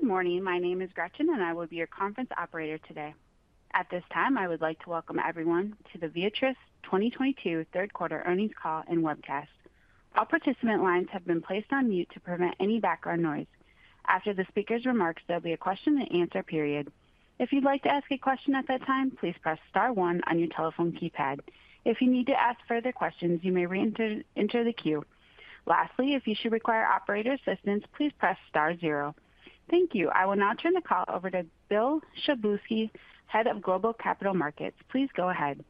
Good morning. My name is Gretchen, and I will be your conference operator today. At this time, I would like to welcome everyone to the Viatris 2022 third quarter earnings call and webcast. All participant lines have been placed on mute to prevent any background noise. After the speaker's remarks, there'll be a question and answer period. If you'd like to ask a question at that time, please press star one on your telephone keypad. If you need to ask further questions, you may re-enter, enter the queue. Lastly, if you should require operator assistance, please press star zero. Thank you. I will now turn the call over to Bill Szablewski, Head of Global Capital Markets. Please go ahead.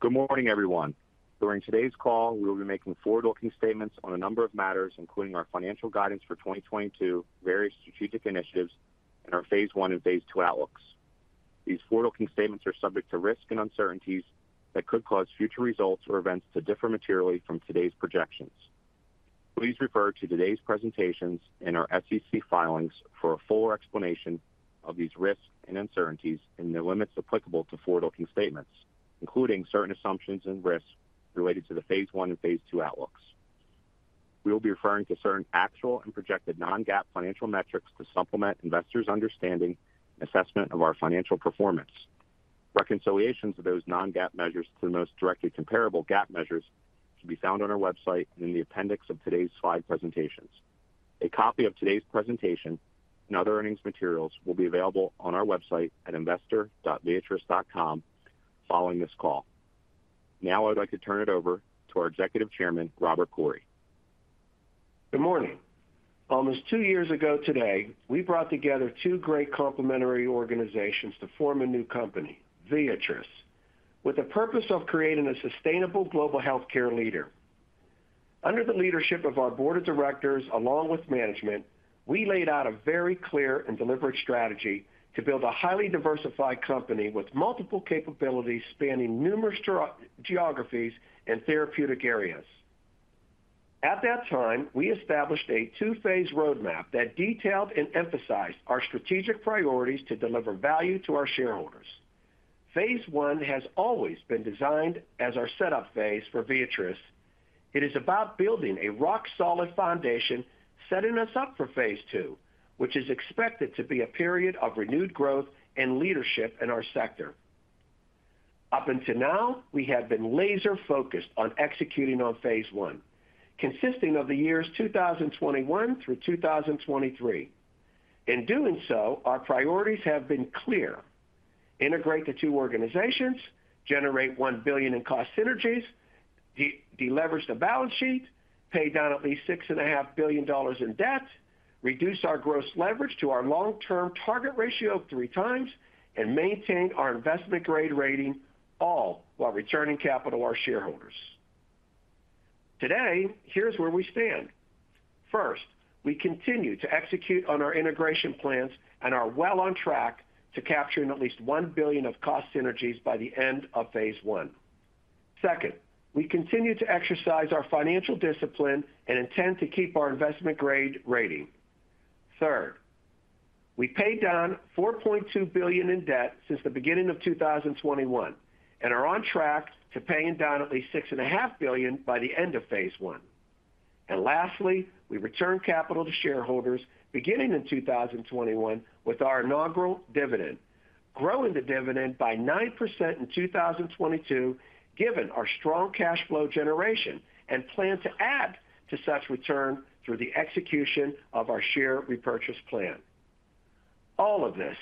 Good morning, everyone. During today's call, we will be making forward-looking statements on a number of matters, including our financial guidance for 2022, various strategic initiatives, and our phase one and phase two outlooks. These forward-looking statements are subject to risks and uncertainties that could cause future results or events to differ materially from today's projections. Please refer to today's presentations and our SEC filings for a full explanation of these risks and uncertainties and the limits applicable to forward-looking statements, including certain assumptions and risks related to the phase one and phase two outlooks. We will be referring to certain actual and projected non-GAAP financial metrics to supplement investors' understanding and assessment of our financial performance. Reconciliations of those non-GAAP measures to the most directly comparable GAAP measures can be found on our website and in the appendix of today's slide presentations.A copy of today's presentation and other earnings materials will be available on our website at investor.viatris.com following this call. Now I'd like to turn it over to our Executive Chairman, Robert Coury. Good morning. Almost two years ago today, we brought together two great complementary organizations to form a new company, Viatris, with the purpose of creating a sustainable global healthcare leader. Under the leadership of our board of directors along with management, we laid out a very clear and deliberate strategy to build a highly diversified company with multiple capabilities spanning numerous geographies and therapeutic areas. At that time, we established a two-phase roadmap that detailed and emphasized our strategic priorities to deliver value to our shareholders. Phase I has always been designed as our setup phase for Viatris. It is about building a rock-solid foundation, setting us up for phase II, which is expected to be a period of renewed growth and leadership in our sector. Up until now, we have been laser-focused on executing on phase one, consisting of the years 2021 through 2023. In doing so, our priorities have been clear. Integrate the two organizations, generate $1 billion in cost synergies, deleveraging the balance sheet, pay down at least $6 and a half billion in debt, reduce our gross leverage to our long-term target ratio of 3x, and maintain our investment-grade rating, all while returning capital to our shareholders. Today, here's where we stand. First, we continue to execute on our integration plans and are well on track to capturing at least $1 billion of cost synergies by the end of phase I. Second, we continue to exercise our financial discipline and intend to keep our investment-grade rating. Third, we paid down $4.2 billion in debt since the beginning of 2021 and are on track to paying down at least $6 and a half billion by the end of phase I. Lastly, we returned capital to shareholders beginning in 2021 with our inaugural dividend, growing the dividend by 9% in 2022, given our strong cash flow generation and plan to add to such return through the execution of our share repurchase plan. All of this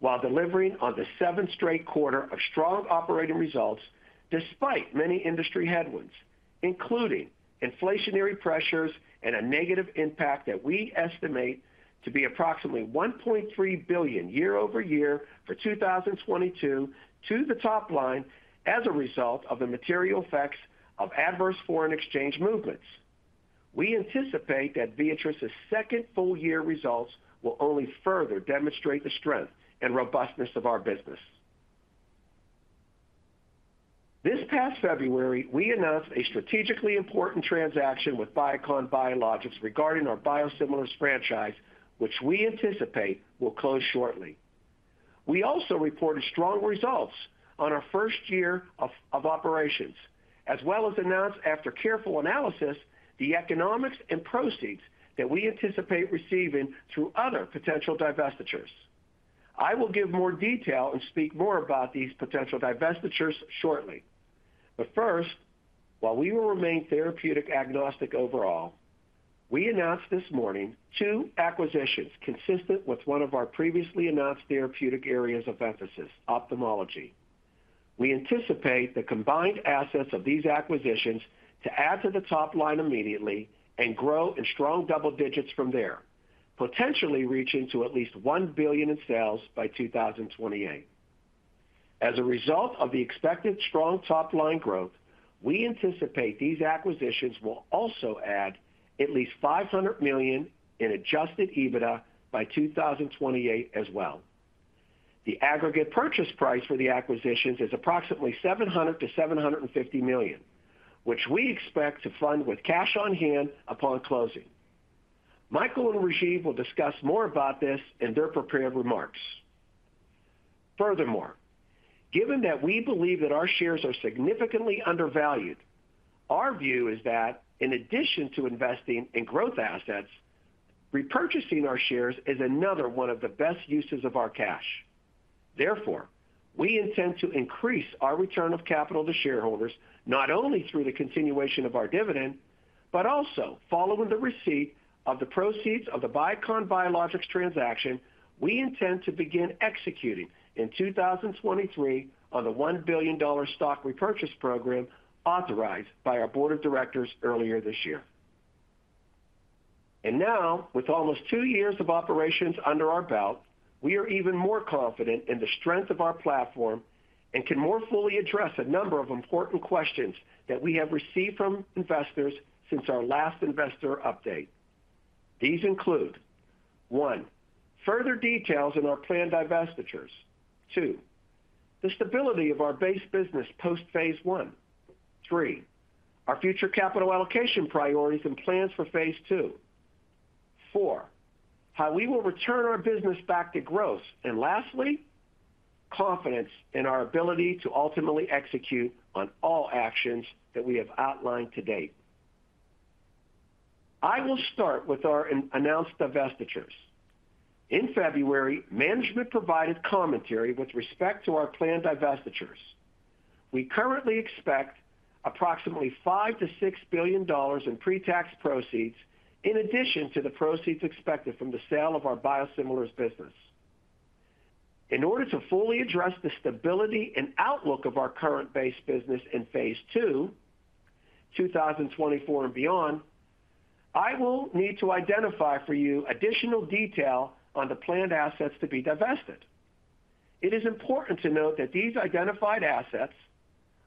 while delivering on the seventh straight quarter of strong operating results despite many industry headwinds, including inflationary pressures and a negative impact that we estimate to be approximately $1.3 billion year-over-year for 2022 to the top line as a result of the material effects of adverse foreign exchange movements. We anticipate that Viatris' second full year results will only further demonstrate the strength and robustness of our business. This past February, we announced a strategically important transaction with Biocon Biologics regarding our biosimilars franchise, which we anticipate will close shortly. We also reported strong results on our first year of operations, as well as announced, after careful analysis, the economics and proceeds that we anticipate receiving through other potential divestitures. I will give more detail and speak more about these potential divestitures shortly. First, while we will remain therapeutic agnostic overall, we announced this morning two acquisitions consistent with one of our previously announced therapeutic areas of emphasis, ophthalmology. We anticipate the combined assets of these acquisitions to add to the top line immediately and grow in strong double digits from there, potentially reaching to at least $1 billion in sales by 2028. As a result of the expected strong top-line growth, we anticipate these acquisitions will also add at least $500 million in adjusted EBITDA by 2028 as well. The aggregate purchase price for the acquisitions is approximately $700 million-$750 million, which we expect to fund with cash on hand upon closing. Michael and Rajiv will discuss more about this in their prepared remarks. Furthermore, given that we believe that our shares are significantly undervalued, our view is that in addition to investing in growth assets, repurchasing our shares is another one of the best uses of our cash. Therefore, we intend to increase our return of capital to shareholders, not only through the continuation of our dividend, but also following the receipt of the proceeds of the Biocon Biologics transaction, we intend to begin executing in 2023 on the $1 billion stock repurchase program authorized by our board of directors earlier this year. Now, with almost two years of operations under our belt, we are even more confident in the strength of our platform and can more fully address a number of important questions that we have received from investors since our last investor update. These include, one, further details in our planned divestitures. Two, the stability of our base business post phase I. Three, our future capital allocation priorities and plans for phase II. Four, how we will return our business back to growth. And lastly, confidence in our ability to ultimately execute on all actions that we have outlined to date. I will start with our announced divestitures. In February, management provided commentary with respect to our planned divestitures. We currently expect approximately $5-$6 billion in pre-tax proceeds in addition to the proceeds expected from the sale of our biosimilars business. In order to fully address the stability and outlook of our current base business in phase II, 2024 and beyond, I will need to identify for you additional detail on the planned assets to be divested. It is important to note that these identified assets,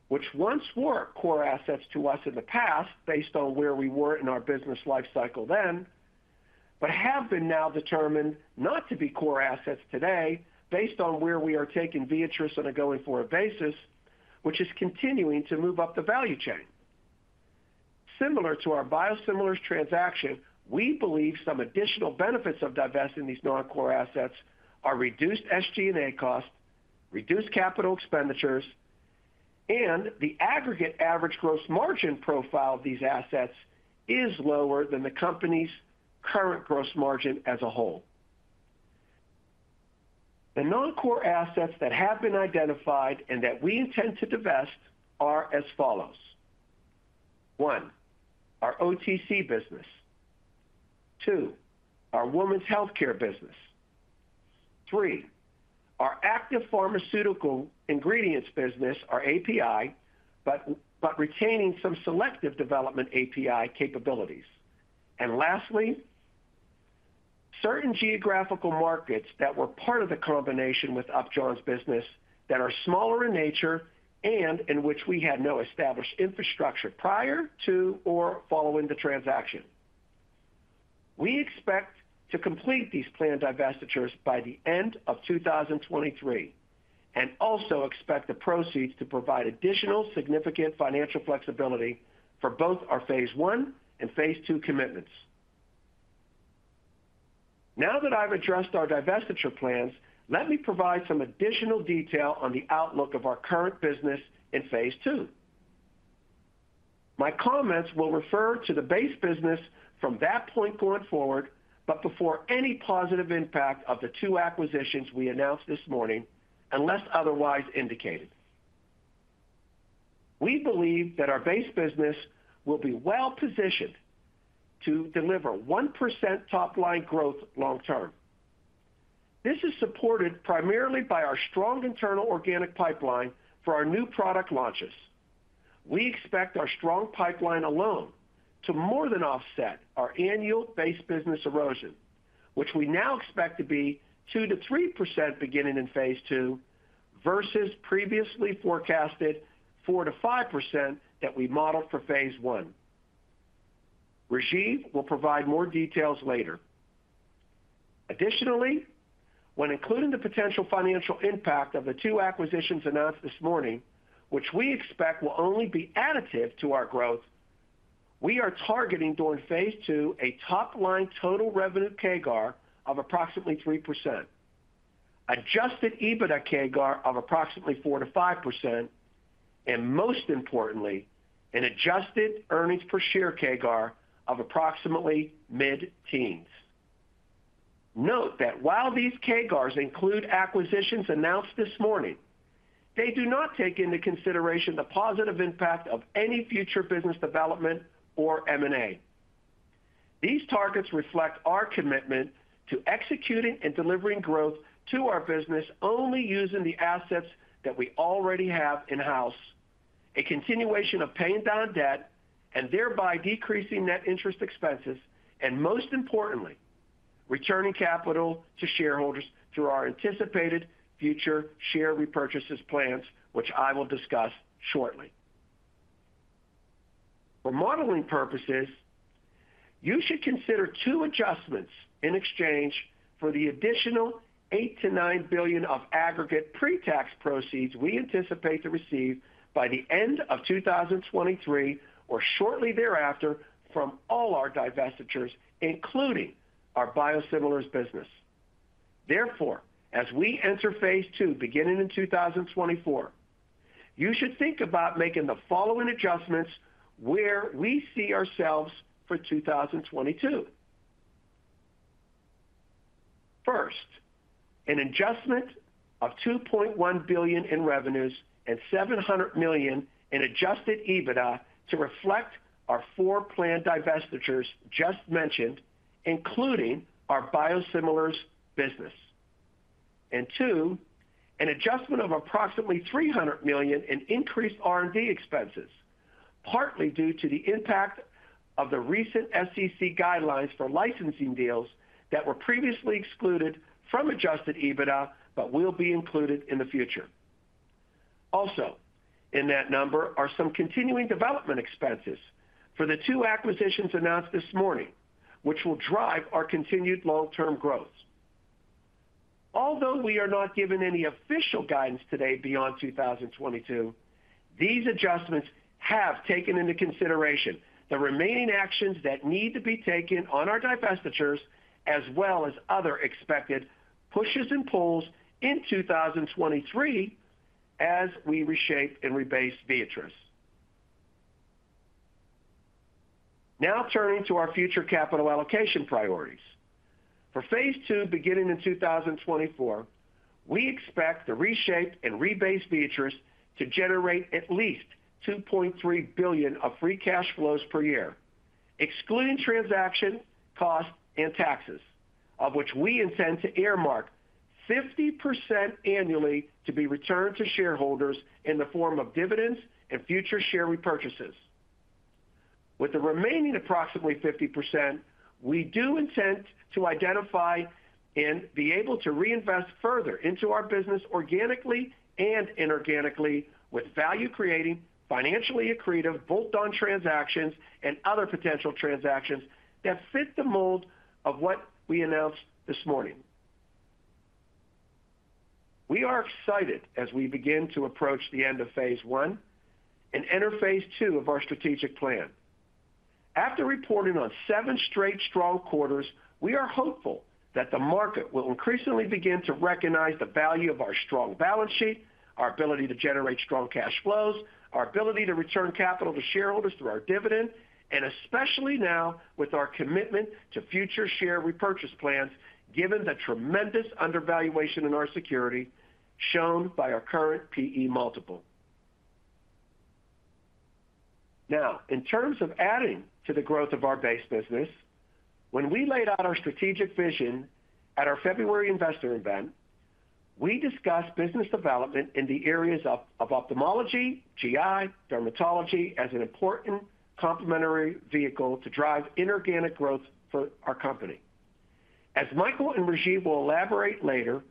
which once were core assets to us in the past based on where we were in our business life cycle then, but have been now determined not to be core assets today based on where we are taking Viatris on a going forward basis, which is continuing to move up the value chain. Similar to our biosimilars transaction, we believe some additional benefits of divesting these non-core assets are reduced SG&A costs, reduced capital expenditures, and the aggregate average gross margin profile of these assets is lower than the company's current gross margin as a whole. The non-core assets that have been identified and that we intend to divest are as follows. One, our OTC business. Two, our women's healthcare business. Three, our active pharmaceutical ingredients business, our API, but retaining some selective development API capabilities. And lastly, certain geographical markets that were part of the combination with Upjohn's business that are smaller in nature and in which we had no established infrastructure prior to or following the transaction. We expect to complete these planned divestitures by the end of 2023, and also expect the proceeds to provide additional significant financial flexibility for both our phase I and phase II commitments. Now that I've addressed our divestiture plans, let me provide some additional detail on the outlook of our current business in phase II. My comments will refer to the base business from that point going forward, but before any positive impact of the two acquisitions we announced this morning, unless otherwise indicated. We believe that our base business will be well-positioned to deliver 1% top-line growth long term. This is supported primarily by our strong internal organic pipeline for our new product launches. We expect our strong pipeline alone to more than offset our annual base business erosion, which we now expect to be 2%-3% beginning in phase II versus previously forecasted 4%-5% that we modeled for Phase One. Rajiv will provide more details later. Additionally, when including the potential financial impact of the two acquisitions announced this morning, which we expect will only be additive to our growth, we are targeting during phase II a top-line total revenue CAGR of approximately 3%, adjusted EBITDA CAGR of approximately 4%-5%, and most importantly, an adjusted earnings per share CAGR of approximately mid-teens. Note that while these CAGRs include acquisitions announced this morning, they do not take into consideration the positive impact of any future business development or M&A. These targets reflect our commitment to executing and delivering growth to our business only using the assets that we already have in-house, a continuation of paying down debt and thereby decreasing net interest expenses, and most importantly, returning capital to shareholders through our anticipated future share repurchases plans, which I will discuss shortly. For modeling purposes, you should consider two adjustments in exchange for the additional $8-9 billion of aggregate pre-tax proceeds we anticipate to receive by the end of 2023 or shortly thereafter from all our divestitures, including our biosimilars business. Therefore, as we enter phase II beginning in 2024, you should think about making the following adjustments where we see ourselves for 2022. First, an adjustment of $2.1 billion in revenues and $700 million in adjusted EBITDA to reflect our four planned divestitures just mentioned, including our biosimilars business. Two, an adjustment of approximately $300 million in increased R&D expenses, partly due to the impact of the recent SEC guidelines for licensing deals that were previously excluded from adjusted EBITDA but will be included in the future. Also, in that number are some continuing development expenses for the two acquisitions announced this morning, which will drive our continued long-term growth. Although we are not given any official guidance today beyond 2022, these adjustments have taken into consideration the remaining actions that need to be taken on our divestitures as well as other expected pushes and pulls in 2023 as we reshape and rebase Viatris. Now turning to our future capital allocation priorities. For phase II beginning in 2024, we expect the reshaped and rebased Viatris to generate at least $2.3 billion of free cash flows per year, excluding transaction costs and taxes, of which we intend to earmark 50% annually to be returned to shareholders in the form of dividends and future share repurchases. With the remaining approximately 50%, we do intend to identify and be able to reinvest further into our business organically and inorganically with value-creating, financially accretive, bolt-on transactions and other potential transactions that fit the mold of what we announced this morning. We are excited as we begin to approach the end of phase I and enter phase II of our strategic plan. After reporting on seven straight strong quarters, we are hopeful that the market will increasingly begin to recognize the value of our strong balance sheet, our ability to generate strong cash flows, our ability to return capital to shareholders through our dividend, and especially now with our commitment to future share repurchase plans, given the tremendous undervaluation in our security shown by our current P/E multiple. Now, in terms of adding to the growth of our base business, when we laid out our strategic vision at our February investor event, we discussed business development in the areas of ophthalmology, GI, dermatology as an important complementary vehicle to drive inorganic growth for our company. As Michael and Rajiv will elaborate later,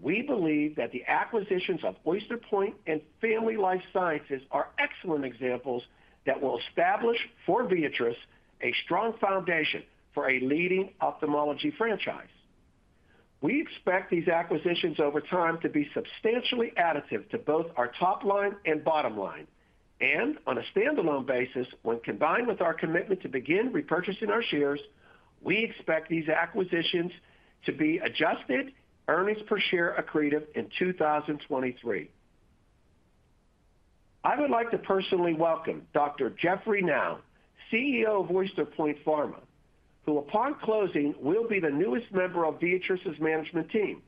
we believe that the acquisitions of Oyster Point and Famy Life Sciences are excellent examples that will establish for Viatris a strong foundation for a leading ophthalmology franchise. We expect these acquisitions over time to be substantially additive to both our top line and bottom line. On a standalone basis, when combined with our commitment to begin repurchasing our shares, we expect these acquisitions to be adjusted earnings per share accretive in 2023. I would like to personally welcome Dr. Jeffrey Nau, CEO of Oyster Point Pharma, who upon closing will be the newest member of Viatris's management team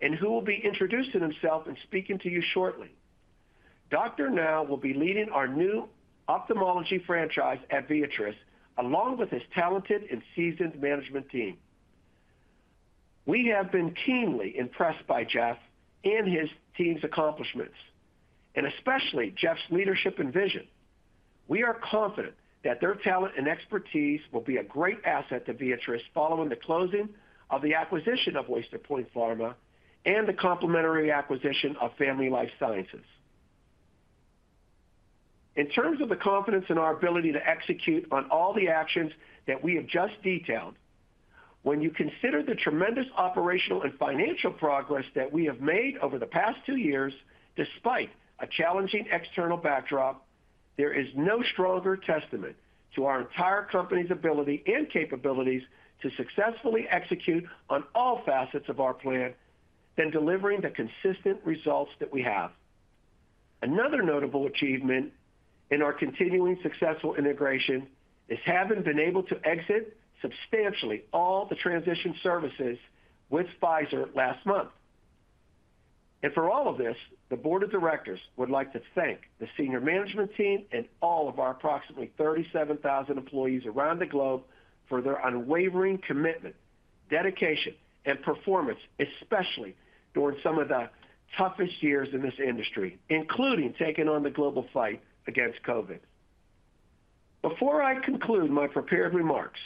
and who will be introducing himself and speaking to you shortly. Dr. Nau will be leading our new ophthalmology franchise at Viatris along with his talented and seasoned management team. We have been keenly impressed by Jeff and his team's accomplishments, and especially Jeff's leadership and vision. We are confident that their talent and expertise will be a great asset to Viatris following the closing of the acquisition of Oyster Point Pharma and the complementary acquisition of Famy Life Sciences. In terms of the confidence in our ability to execute on all the actions that we have just detailed, when you consider the tremendous operational and financial progress that we have made over the past two years, despite a challenging external backdrop, there is no stronger testament to our entire company's ability and capabilities to successfully execute on all facets of our plan than delivering the consistent results that we have. Another notable achievement in our continuing successful integration is having been able to exit substantially all the transition services with Pfizer last month. For all of this, the board of directors would like to thank the senior management team and all of our approximately 37,000 employees around the globe for their unwavering commitment, dedication, and performance, especially during some of the toughest years in this industry, including taking on the global fight against COVID. Before I conclude my prepared remarks,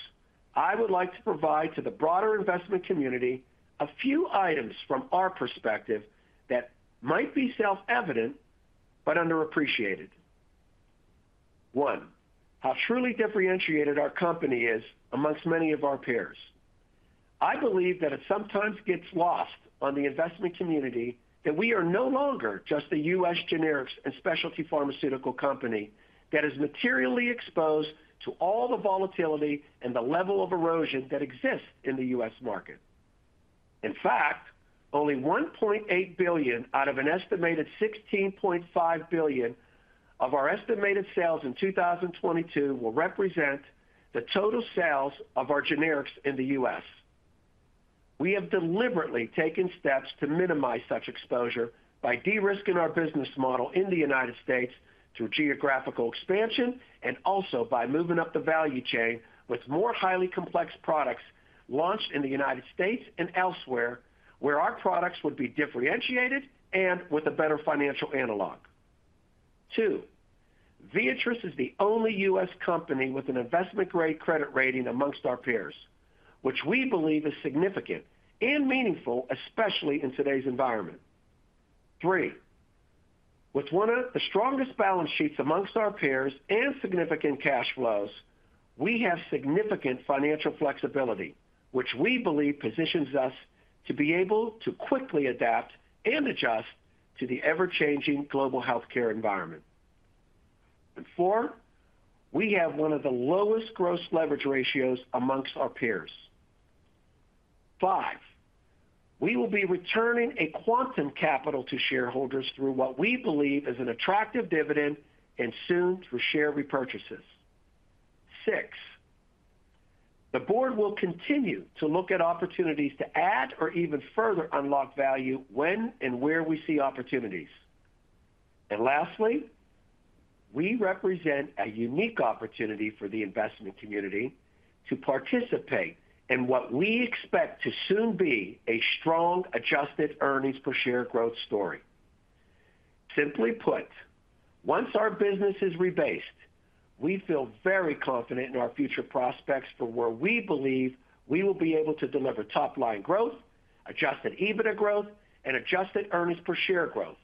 I would like to provide to the broader investment community a few items from our perspective that might be self-evident but underappreciated. One, how truly differentiated our company is among many of our peers. I believe that it sometimes gets lost on the investment community that we are no longer just a U.S. generics and specialty pharmaceutical company that is materially exposed to all the volatility and the level of erosion that exists in the U.S. market. In fact, only $1.8 billion out of an estimated $16.5 billion of our estimated sales in 2022 will represent the total sales of our generics in the U.S. We have deliberately taken steps to minimize such exposure by de-risking our business model in the United States through geographical expansion and also by moving up the value chain with more highly complex products launched in the United States and elsewhere, where our products would be differentiated and with a better financial analog. Two, Viatris is the only U.S. company with an investment-grade credit rating amongst our peers, which we believe is significant and meaningful, especially in today's environment. Three, with one of the strongest balance sheets amongst our peers and significant cash flows, we have significant financial flexibility, which we believe positions us to be able to quickly adapt and adjust to the ever-changing global healthcare environment. Four, we have one of the lowest gross leverage ratios amongst our peers. Five, we will be returning a quantum capital to shareholders through what we believe is an attractive dividend and soon through share repurchases. Six, the board will continue to look at opportunities to add or even further unlock value when and where we see opportunities. Lastly, we represent a unique opportunity for the investment community to participate in what we expect to soon be a strong adjusted earnings per share growth story. Simply put, once our business is rebased, we feel very confident in our future prospects for where we believe we will be able to deliver top-line growth, adjusted EBITDA growth, and adjusted earnings per share growth.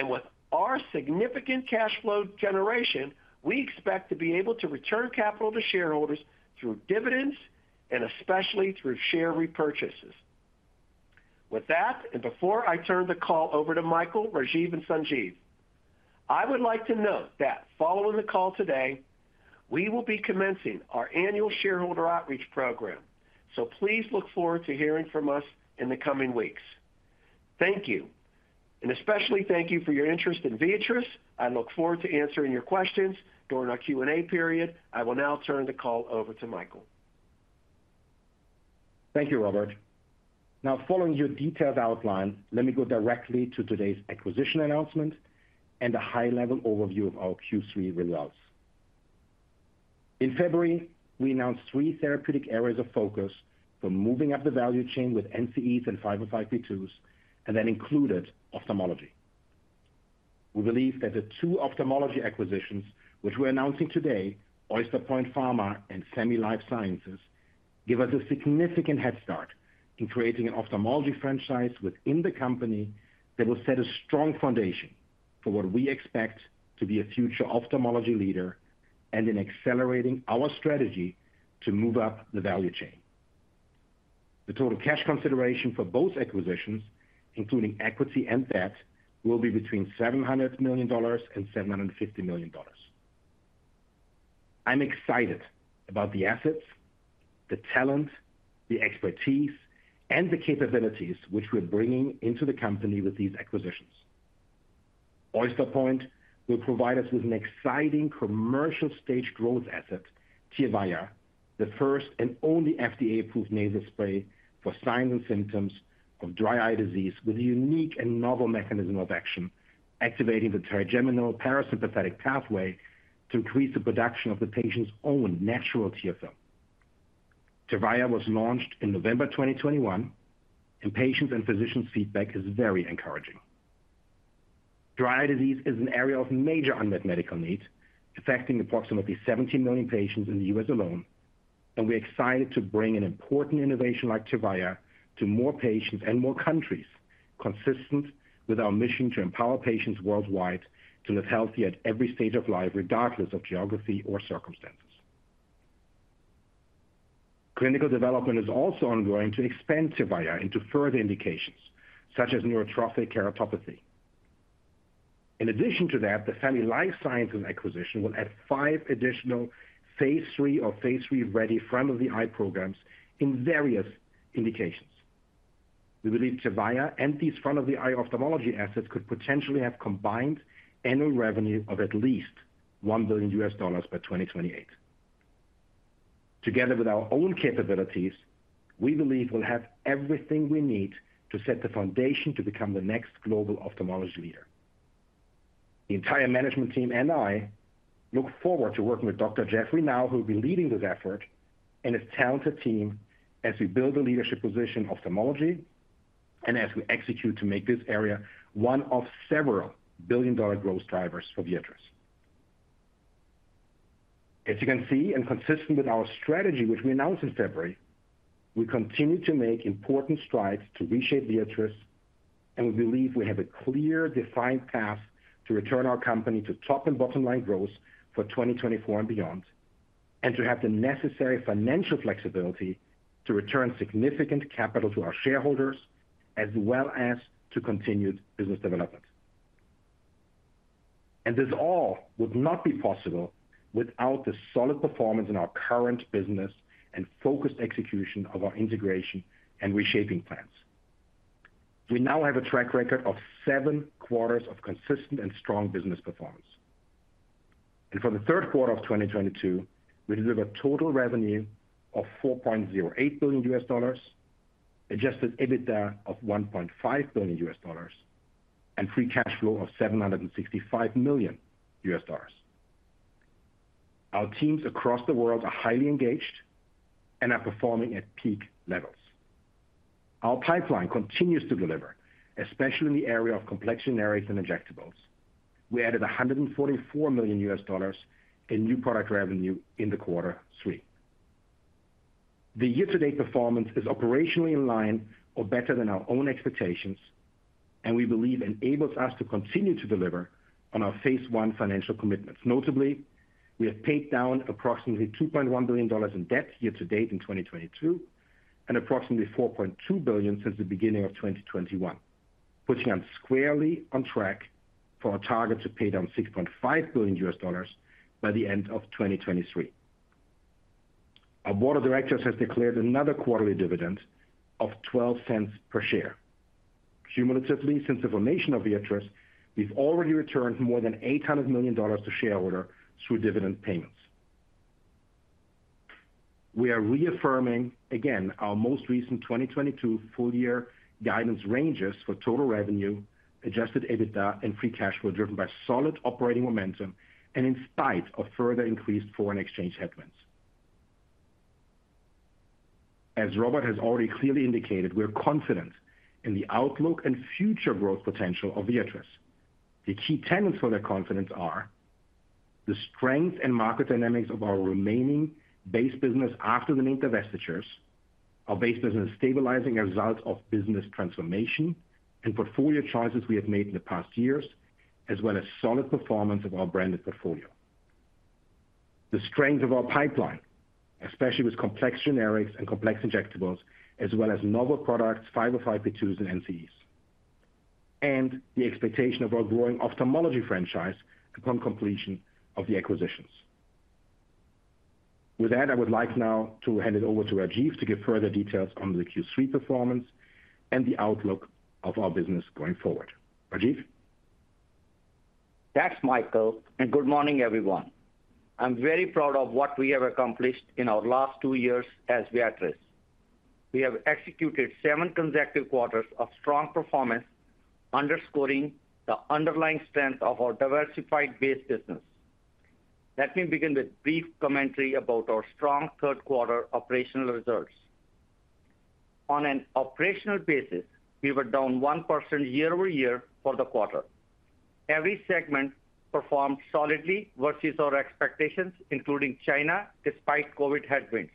With our significant cash flow generation, we expect to be able to return capital to shareholders through dividends and especially through share repurchases. With that, and before I turn the call over to Michael, Rajiv, and Sanjeev, I would like to note that following the call today, we will be commencing our annual shareholder outreach program. Please look forward to hearing from us in the coming weeks. Thank you, and especially thank you for your interest in Viatris. I look forward to answering your questions during our Q&A period. I will now turn the call over to Michael. Thank you, Robert. Now, following your detailed outline, let me go directly to today's acquisition announcement and a high-level overview of our Q3 results. In February, we announced three therapeutic areas of focus for moving up the value chain with NCEs and 505(b)(2)s, and that included ophthalmology. We believe that the two ophthalmology acquisitions, which we're announcing today, Oyster Point Pharma and Famy Life Sciences, give us a significant head start in creating an ophthalmology franchise within the company that will set a strong foundation for what we expect to be a future ophthalmology leader and in accelerating our strategy to move up the value chain. The total cash consideration for both acquisitions, including equity and debt, will be between $700 million and $750 million. I'm excited about the assets, the talent, the expertise, and the capabilities which we're bringing into the company with these acquisitions. Oyster Point will provide us with an exciting commercial-stage growth asset, Tyrvaya, the first and only FDA-approved nasal spray for signs and symptoms of dry eye disease with a unique and novel mechanism of action, activating the trigeminal parasympathetic pathway to increase the production of the patient's own natural TFL. Tyrvaya was launched in November 2021, and patients' and physicians' feedback is very encouraging. Dry eye disease is an area of major unmet medical need, affecting approximately 70 million patients in the U.S. alone, and we're excited to bring an important innovation like Tyrvaya to more patients and more countries, consistent with our mission to empower patients worldwide to live healthy at every stage of life, regardless of geography or circumstances. Clinical development is also ongoing to expand Tyrvaya into further indications, such as neurotrophic keratopathy. In addition to that, the Famy Life Sciences acquisition will add five additional phase III or phase III-ready front of the eye programs in various indications. We believe Tyrvaya and these front of the eye ophthalmology assets could potentially have combined annual revenue of at least $1 billion by 2028. Together with our own capabilities, we believe we'll have everything we need to set the foundation to become the next global ophthalmology leader. The entire management team and I look forward to working with Dr. Jeffrey Nau, who will be leading this effort, and his talented team as we build a leadership position in ophthalmology and as we execute to make this area one of several billion-dollar growth drivers for Viatris. As you can see, and consistent with our strategy, which we announced in February, we continue to make important strides to reshape Viatris, and we believe we have a clear, defined path to return our company to top and bottom-line growth for 2024 and beyond and to have the necessary financial flexibility to return significant capital to our shareholders as well as to continued business development. This all would not be possible without the solid performance in our current business and focused execution of our integration and reshaping plans. We now have a track record of seven quarters of consistent and strong business performance. For the third quarter of 2022, we delivered total revenue of $4.08 billion, adjusted EBITDA of $1.5 billion, and free cash flow of $765 million. Our teams across the world are highly engaged and are performing at peak levels. Our pipeline continues to deliver, especially in the area of complex generics and injectables. We added $144 million in new product revenue in quarter three. The year-to-date performance is operationally in line or better than our own expectations, and we believe enables us to continue to deliver on our phase one financial commitments. Notably, we have paid down approximately $2.1 billion in debt year to date in 2022, and approximately $4.2 billion since the beginning of 2021, putting us squarely on track for our target to pay down $6.5 billion by the end of 2023. Our board of directors has declared another quarterly dividend of 12 cents per share. Cumulatively, since the formation of Viatris, we've already returned more than $800 million to shareholder through dividend payments. We are reaffirming again our most recent 2022 full year guidance ranges for total revenue, adjusted EBITDA and free cash flow driven by solid operating momentum and in spite of further increased foreign exchange headwinds. As Robert has already clearly indicated, we're confident in the outlook and future growth potential of Viatris. The key tenets for that confidence are the strength and market dynamics of our remaining base business after the main divestitures, our base business stabilizing as a result of business transformation and portfolio choices we have made in the past years, as well as solid performance of our branded portfolio. The strength of our pipeline, especially with complex generics and complex injectables, as well as novel products, 505(b)(2)s and NCEs, and the expectation of our growing ophthalmology franchise upon completion of the acquisitions. With that, I would like now to hand it over to Rajiv to give further details on the Q3 performance and the outlook of our business going forward. Rajiv? Thanks, Michael, and good morning, everyone. I'm very proud of what we have accomplished in our last two years as Viatris. We have executed seven consecutive quarters of strong performance, underscoring the underlying strength of our diversified base business. Let me begin with brief commentary about our strong third quarter operational results. On an operational basis, we were down 1% year-over-year for the quarter. Every segment performed solidly versus our expectations, including China, despite COVID headwinds.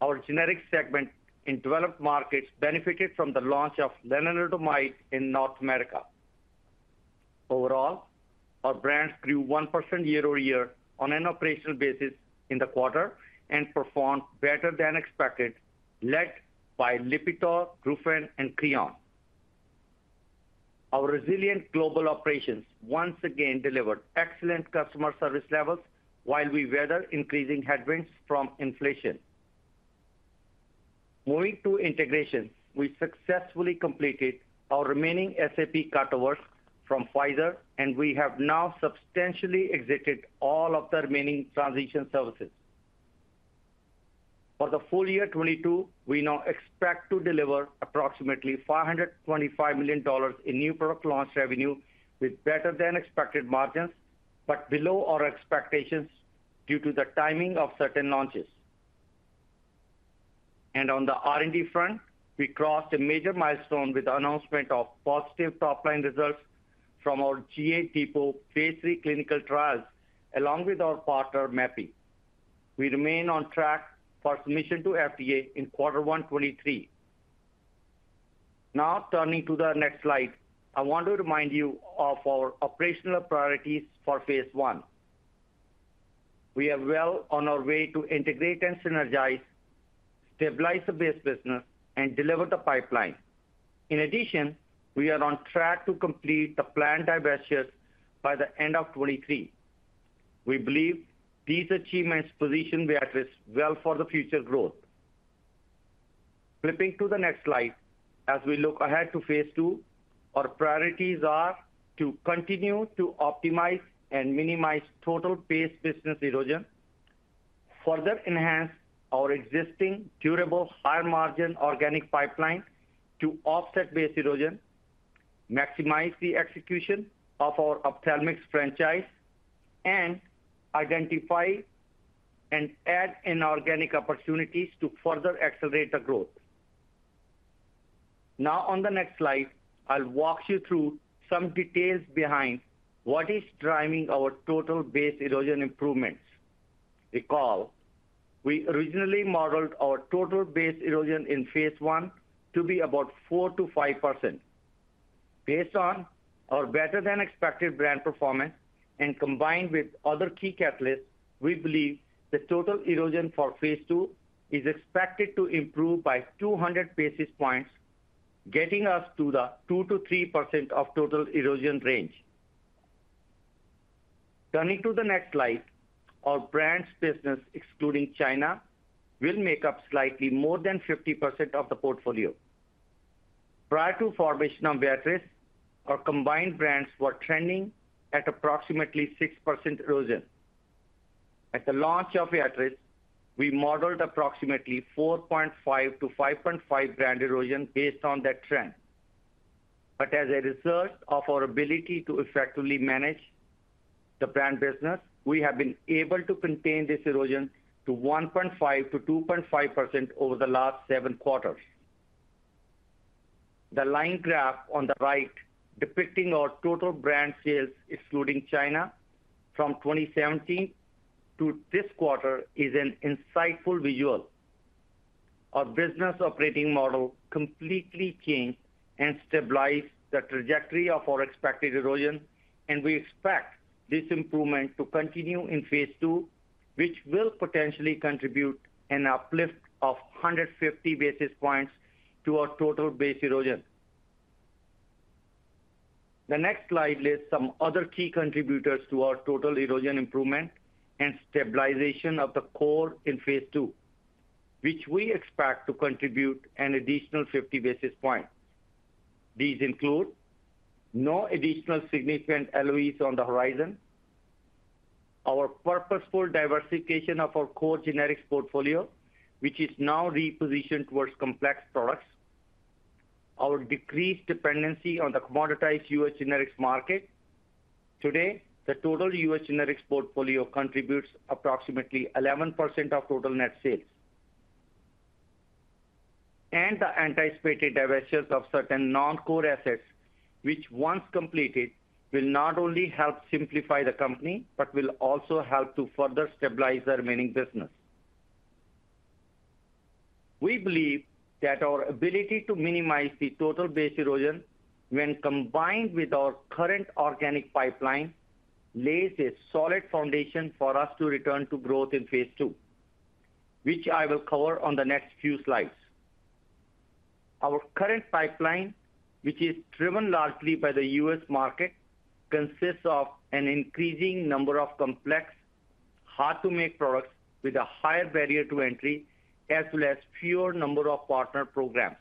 Our generics segment in developed markets benefited from the launch of lenalidomide in North America. Overall, our brands grew 1% year-over-year on an operational basis in the quarter and performed better than expected, led by Lipitor, Nurofen, and Creon. Our resilient global operations once again delivered excellent customer service levels while we weather increasing headwinds from inflation. Moving to integration, we successfully completed our remaining SAP cutovers from Pfizer, and we have now substantially executed all of the remaining transition services. For the full year 2022, we now expect to deliver approximately $525 million in new product launch revenue with better than expected margins, but below our expectations due to the timing of certain launches. On the R&D front, we crossed a major milestone with the announcement of positive top-line results from our GA Depot phase III clinical trials, along with our partner, Mapi. We remain on track for submission to FDA in quarter one 2023. Now turning to the next slide, I want to remind you of our operational priorities for phase one. We are well on our way to integrate and synergize, stabilize the base business, and deliver the pipeline. In addition, we are on track to complete the planned divestitures by the end of 2023. We believe these achievements position Viatris well for the future growth. Flipping to the next slide, as we look ahead to phase II, our priorities are to continue to optimize and minimize total base business erosion, further enhance our existing durable higher margin organic pipeline to offset base erosion, maximize the execution of our ophthalmics franchise, and identify and add inorganic opportunities to further accelerate the growth. Now on the next slide, I'll walk you through some details behind what is driving our total base erosion improvements. Recall, we originally modeled our total base erosion in phase I to be about 4%-5%. Based on our better than expected brand performance. Combined with other key catalysts, we believe the total erosion for phase II is expected to improve by 200 basis points, getting us to the 2%-3% of total erosion range. Turning to the next slide, our brands business excluding China will make up slightly more than 50% of the portfolio. Prior to formation of Viatris, our combined brands were trending at approximately 6% erosion. At the launch of Viatris, we modeled approximately 4.5-5.5% brand erosion based on that trend. As a result of our ability to effectively manage the brand business, we have been able to contain this erosion to 1.5-2.5% over the last seven quarters. The line graph on the right depicting our total brand sales excluding China from 2017 to this quarter is an insightful visual. Our business operating model completely changed and stabilized the trajectory of our expected erosion, and we expect this improvement to continue in phase II, which will potentially contribute an uplift of 150 basis points to our total base erosion. The next slide lists some other key contributors to our total erosion improvement and stabilization of the core in phase II, which we expect to contribute an additional 50 basis points. These include no additional significant LOEs on the horizon, our purposeful diversification of our core generics portfolio, which is now repositioned towards complex products, our decreased dependency on the commoditized U.S. generics market. Today, the total U.S. generics portfolio contributes approximately 11% of total net sales. The anticipated divestitures of certain non-core assets, which once completed will not only help simplify the company, but will also help to further stabilize the remaining business. We believe that our ability to minimize the total base erosion when combined with our current organic pipeline, lays a solid foundation for us to return to growth in phase II, which I will cover on the next few slides. Our current pipeline, which is driven largely by the U.S. market, consists of an increasing number of complex, hard to make products with a higher barrier to entry, as well as fewer number of partner programs.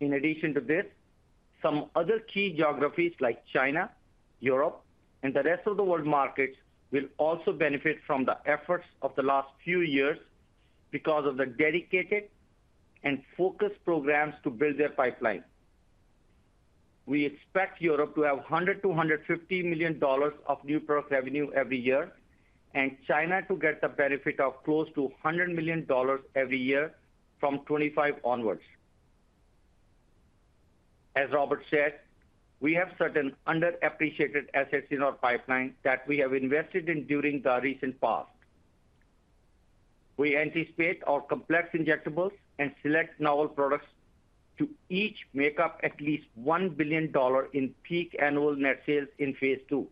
In addition to this, some other key geographies like China, Europe, and the rest of the world markets will also benefit from the efforts of the last few years because of the dedicated and focused programs to build their pipeline. We expect Europe to have $100-$150 million of new product revenue every year, and China to get the benefit of close to $100 million every year from 2025 onwards. As Robert said, we have certain underappreciated assets in our pipeline that we have invested in during the recent past. We anticipate our complex injectables and select novel products to each make up at least $1 billion in peak annual net sales in phase II.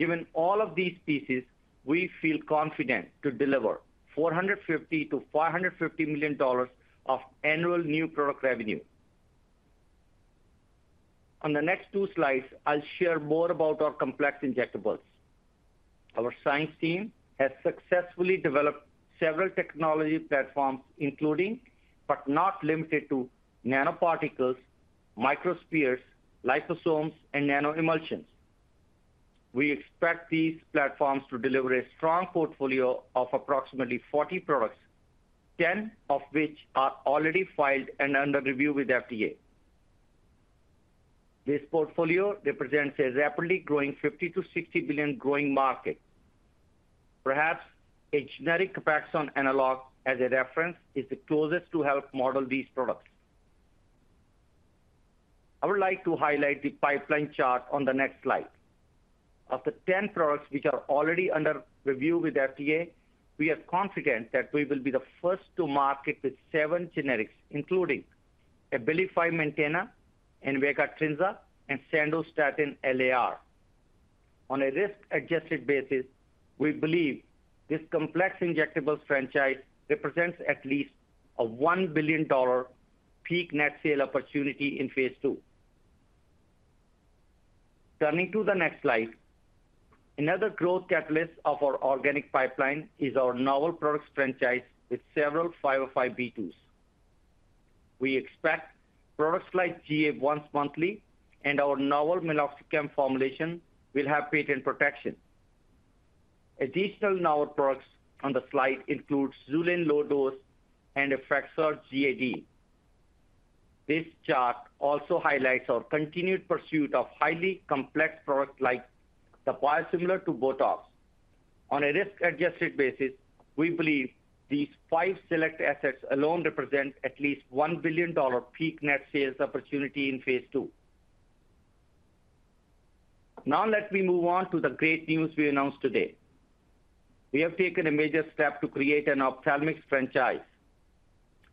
Given all of these pieces, we feel confident to deliver $450-$450 million of annual new product revenue. On the next two slides, I'll share more about our complex injectables. Our science team has successfully developed several technology platforms, including, but not limited to nanoparticles, microspheres, liposomes, and nanoemulsions. We expect these platforms to deliver a strong portfolio of approximately 40 products, 10 of which are already filed and under review with FDA. This portfolio represents a rapidly growing $50-$60 billion growing market. Perhaps a generic Copaxone analog as a reference is the closest to help model these products. I would like to highlight the pipeline chart on the next slide. Of the 10 products which are already under review with FDA, we are confident that we will be the first to market with seven generics, including Abilify Maintena and Invega Trinza and Sandostatin LAR. On a risk-adjusted basis, we believe this complex injectables franchise represents at least a $1 billion peak net sale opportunity in phase II. Turning to the next slide. Another growth catalyst of our organic pipeline is our novel products franchise with several 505(b)(2)s. We expect products like GA once monthly and our novel Meloxicam formulation will have patent protection. Additional novel products on the slide includes Xulane low dose and Afrezza GA Depot. This chart also highlights our continued pursuit of highly complex products like the biosimilar to Botox. On a risk-adjusted basis, we believe these five select assets alone represent at least $1 billion peak net sales opportunity in phase II. Now let me move on to the great news we announced today. We have taken a major step to create an ophthalmics franchise.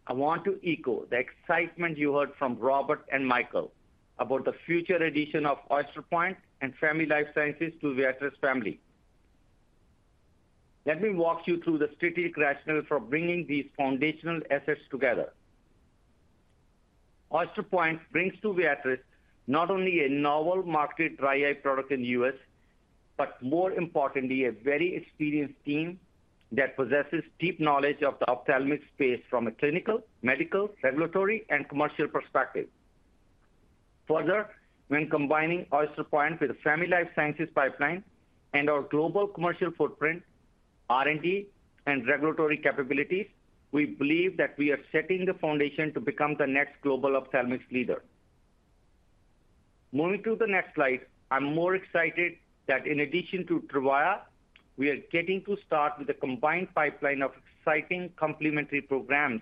I want to echo the excitement you heard from Robert and Michael about the future addition of Oyster Point and Famy Life Sciences to Viatris family. Let me walk you through the strategic rationale for bringing these foundational assets together. Oyster Point brings to Viatris not only a novel marketed dry eye product in the U.S., but more importantly, a very experienced team that possesses deep knowledge of the ophthalmic space from a clinical, medical, regulatory, and commercial perspective. Further, when combining Oyster Point with Famy Life Sciences pipeline and our global commercial footprint, R&D, and regulatory capabilities, we believe that we are setting the foundation to become the next global ophthalmic leader. Moving to the next slide. I'm more excited that in addition to Tyrvaya, we are getting to start with a combined pipeline of exciting complementary programs,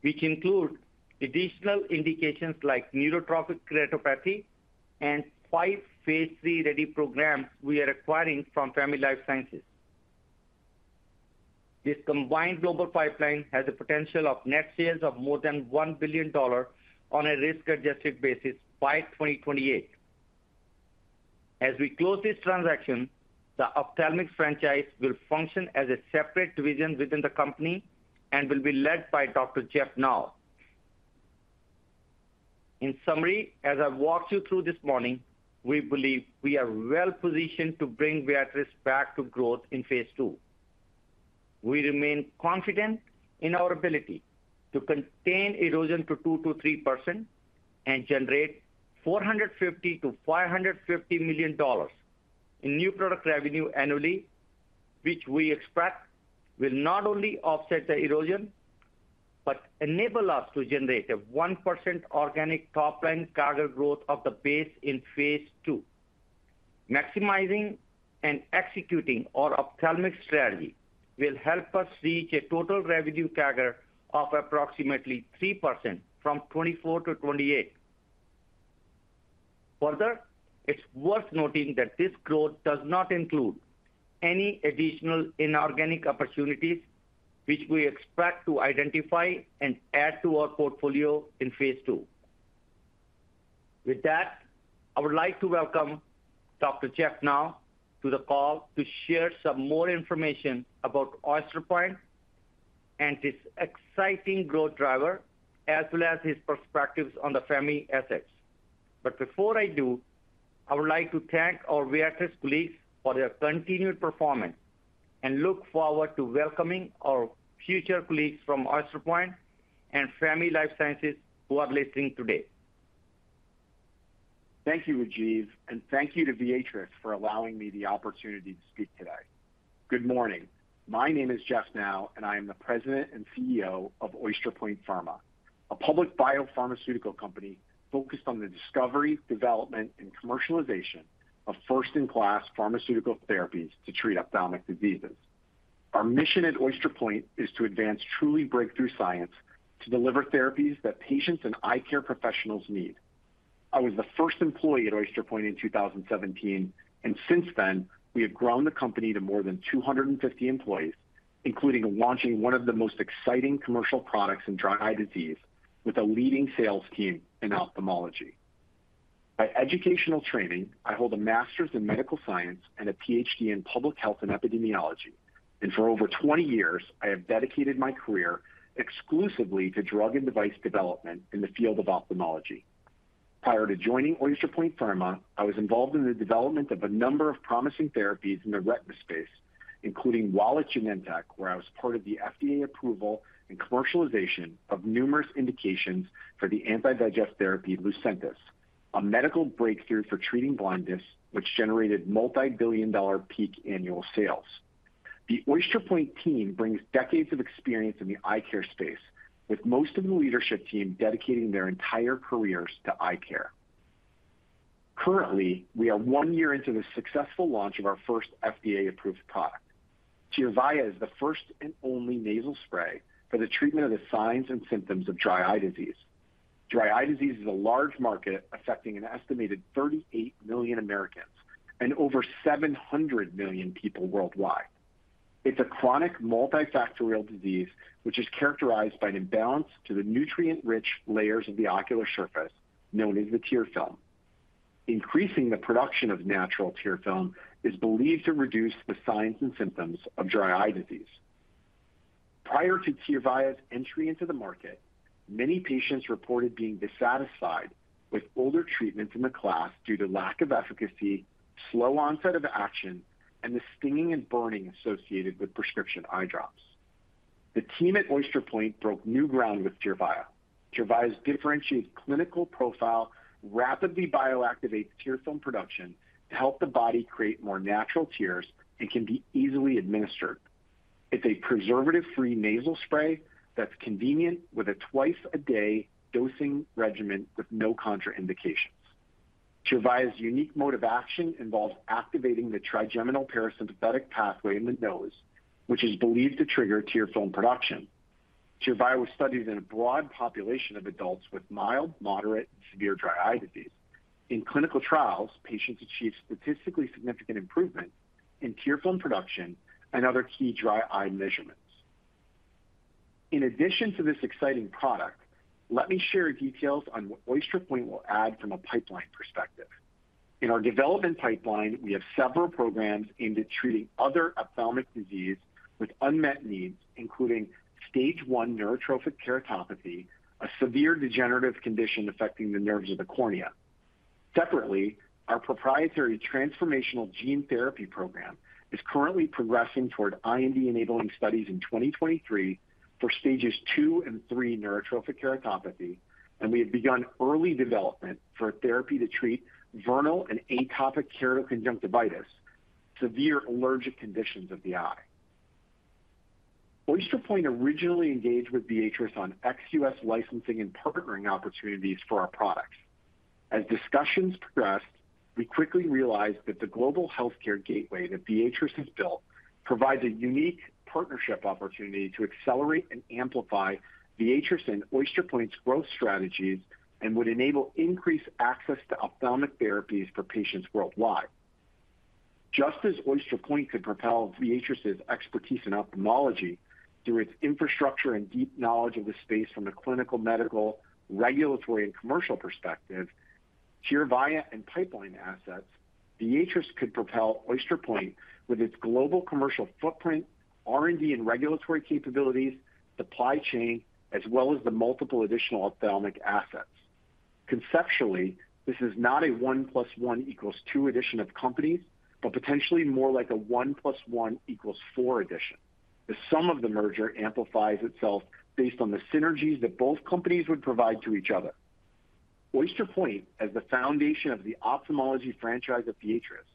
which include additional indications like neurotrophic keratopathy and five phase III-ready programs we are acquiring from Famy Life Sciences. This combined global pipeline has a potential of net sales of more than $1 billion on a risk-adjusted basis by 2028. As we close this transaction, the ophthalmic franchise will function as a separate division within the company and will be led by Dr. Jeff Nau. In summary, as I've walked you through this morning, we believe we are well-positioned to bring Viatris back to growth in phase II. We remain confident in our ability to contain erosion to 2%-3% and generate $450 million-$550 million in new product revenue annually, which we expect will not only offset the erosion, but enable us to generate a 1% organic top line CAGR growth of the base in phase II. Maximizing and executing our ophthalmic strategy will help us reach a total revenue CAGR of approximately 3% from 2024-2028. Further, it's worth noting that this growth does not include any additional inorganic opportunities which we expect to identify and add to our portfolio in phase II. With that, I would like to welcome Dr. Jeff Nau to the call to share some more information about Oyster Point and its exciting growth driver, as well as his perspectives on the Famy assets. Before I do, I would like to thank our Viatris colleagues for their continued performance and look forward to welcoming our future colleagues from Oyster Point and Famy Life Sciences who are listening today. Thank you, Rajiv, and thank you to Viatris for allowing me the opportunity to speak today. Good morning. My name is Jeff Nau, and I am the President and CEO of Oyster Point Pharma, a public biopharmaceutical company focused on the discovery, development, and commercialization of first-in-class pharmaceutical therapies to treat ophthalmic diseases. Our mission at Oyster Point is to advance truly breakthrough science to deliver therapies that patients and eye care professionals need. I was the first employee at Oyster Point in 2017, and since then, we have grown the company to more than 250 employees, including launching one of the most exciting commercial products in dry eye disease with a leading sales team in ophthalmology. By educational training, I hold a Master's in Medical Science and a PhD in Public Health and Epidemiology. For over 20 years, I have dedicated my career exclusively to drug and device development in the field of ophthalmology. Prior to joining Oyster Point Pharma, I was involved in the development of a number of promising therapies in the retina space, including while at Genentech, where I was part of the FDA approval and commercialization of numerous indications for the anti-VEGF therapy Lucentis, a medical breakthrough for treating blindness which generated multibillion-dollar peak annual sales. The Oyster Point team brings decades of experience in the eye care space, with most of the leadership team dedicating their entire careers to eye care. Currently, we are one year into the successful launch of our first FDA-approved product. Tyrvaya is the first and only nasal spray for the treatment of the signs and symptoms of dry eye disease. Dry eye disease is a large market affecting an estimated 38 million Americans and over 700 million people worldwide. It's a chronic multifactorial disease which is characterized by an imbalance to the nutrient-rich layers of the ocular surface known as the tear film. Increasing the production of natural tear film is believed to reduce the signs and symptoms of dry eye disease. Prior to Tyrvaya's entry into the market, many patients reported being dissatisfied with older treatments in the class due to lack of efficacy, slow onset of action, and the stinging and burning associated with prescription eye drops. The team at Oyster Point broke new ground with Tyrvaya. Tyrvaya's differentiated clinical profile rapidly bioactivates tear film production to help the body create more natural tears and can be easily administered. It's a preservative-free nasal spray that's convenient with a twice-a-day dosing regimen with no contraindications. Tyrvaya's unique mode of action involves activating the trigeminal parasympathetic pathway in the nose, which is believed to trigger tear film production. Tyrvaya was studied in a broad population of adults with mild, moderate, and severe dry eye disease. In clinical trials, patients achieved statistically significant improvement in tear film production and other key dry eye measurements. In addition to this exciting product, let me share details on what Oyster Point will add from a pipeline perspective. In our development pipeline, we have several programs aimed at treating other ophthalmic disease with unmet needs, including stage one neurotrophic keratopathy, a severe degenerative condition affecting the nerves of the cornea. Separately, our proprietary transformational gene therapy program is currently progressing toward IND-enabling studies in 2023 for stages 2 and 3 neurotrophic keratopathy, and we have begun early development for a therapy to treat vernal and atopic keratoconjunctivitis, severe allergic conditions of the eye. Oyster Point originally engaged with Viatris on ex-US licensing and partnering opportunities for our products. As discussions progressed, we quickly realized that the global healthcare gateway that Viatris has built provides a unique partnership opportunity to accelerate and amplify Viatris and Oyster Point's growth strategies and would enable increased access to ophthalmic therapies for patients worldwide. Just as Oyster Point could propel Viatris' expertise in ophthalmology through its infrastructure and deep knowledge of the space from a clinical, medical, regulatory, and commercial perspective, Tyrvaya and pipeline assets, Viatris could propel Oyster Point with its global commercial footprint, R&D and regulatory capabilities, supply chain, as well as the multiple additional ophthalmic assets. Conceptually, this is not a one plus one equals two addition of companies, but potentially more like a one plus one equals four addition. The sum of the merger amplifies itself based on the synergies that both companies would provide to each other. Oyster Point, as the foundation of the ophthalmology franchise at Viatris,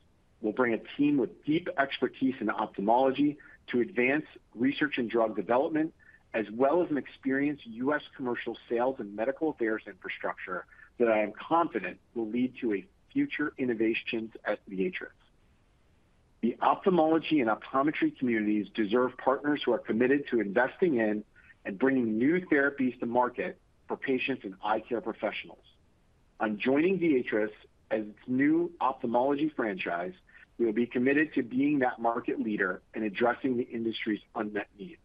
will bring a team with deep expertise in ophthalmology to advance research and drug development, as well as an experienced U.S. commercial sales and medical affairs infrastructure that I am confident will lead to a future innovations at Viatris. The ophthalmology and optometry communities deserve partners who are committed to investing in and bringing new therapies to market for patients and eye care professionals. On joining Viatris as its new ophthalmology franchise, we will be committed to being that market leader in addressing the industry's unmet needs.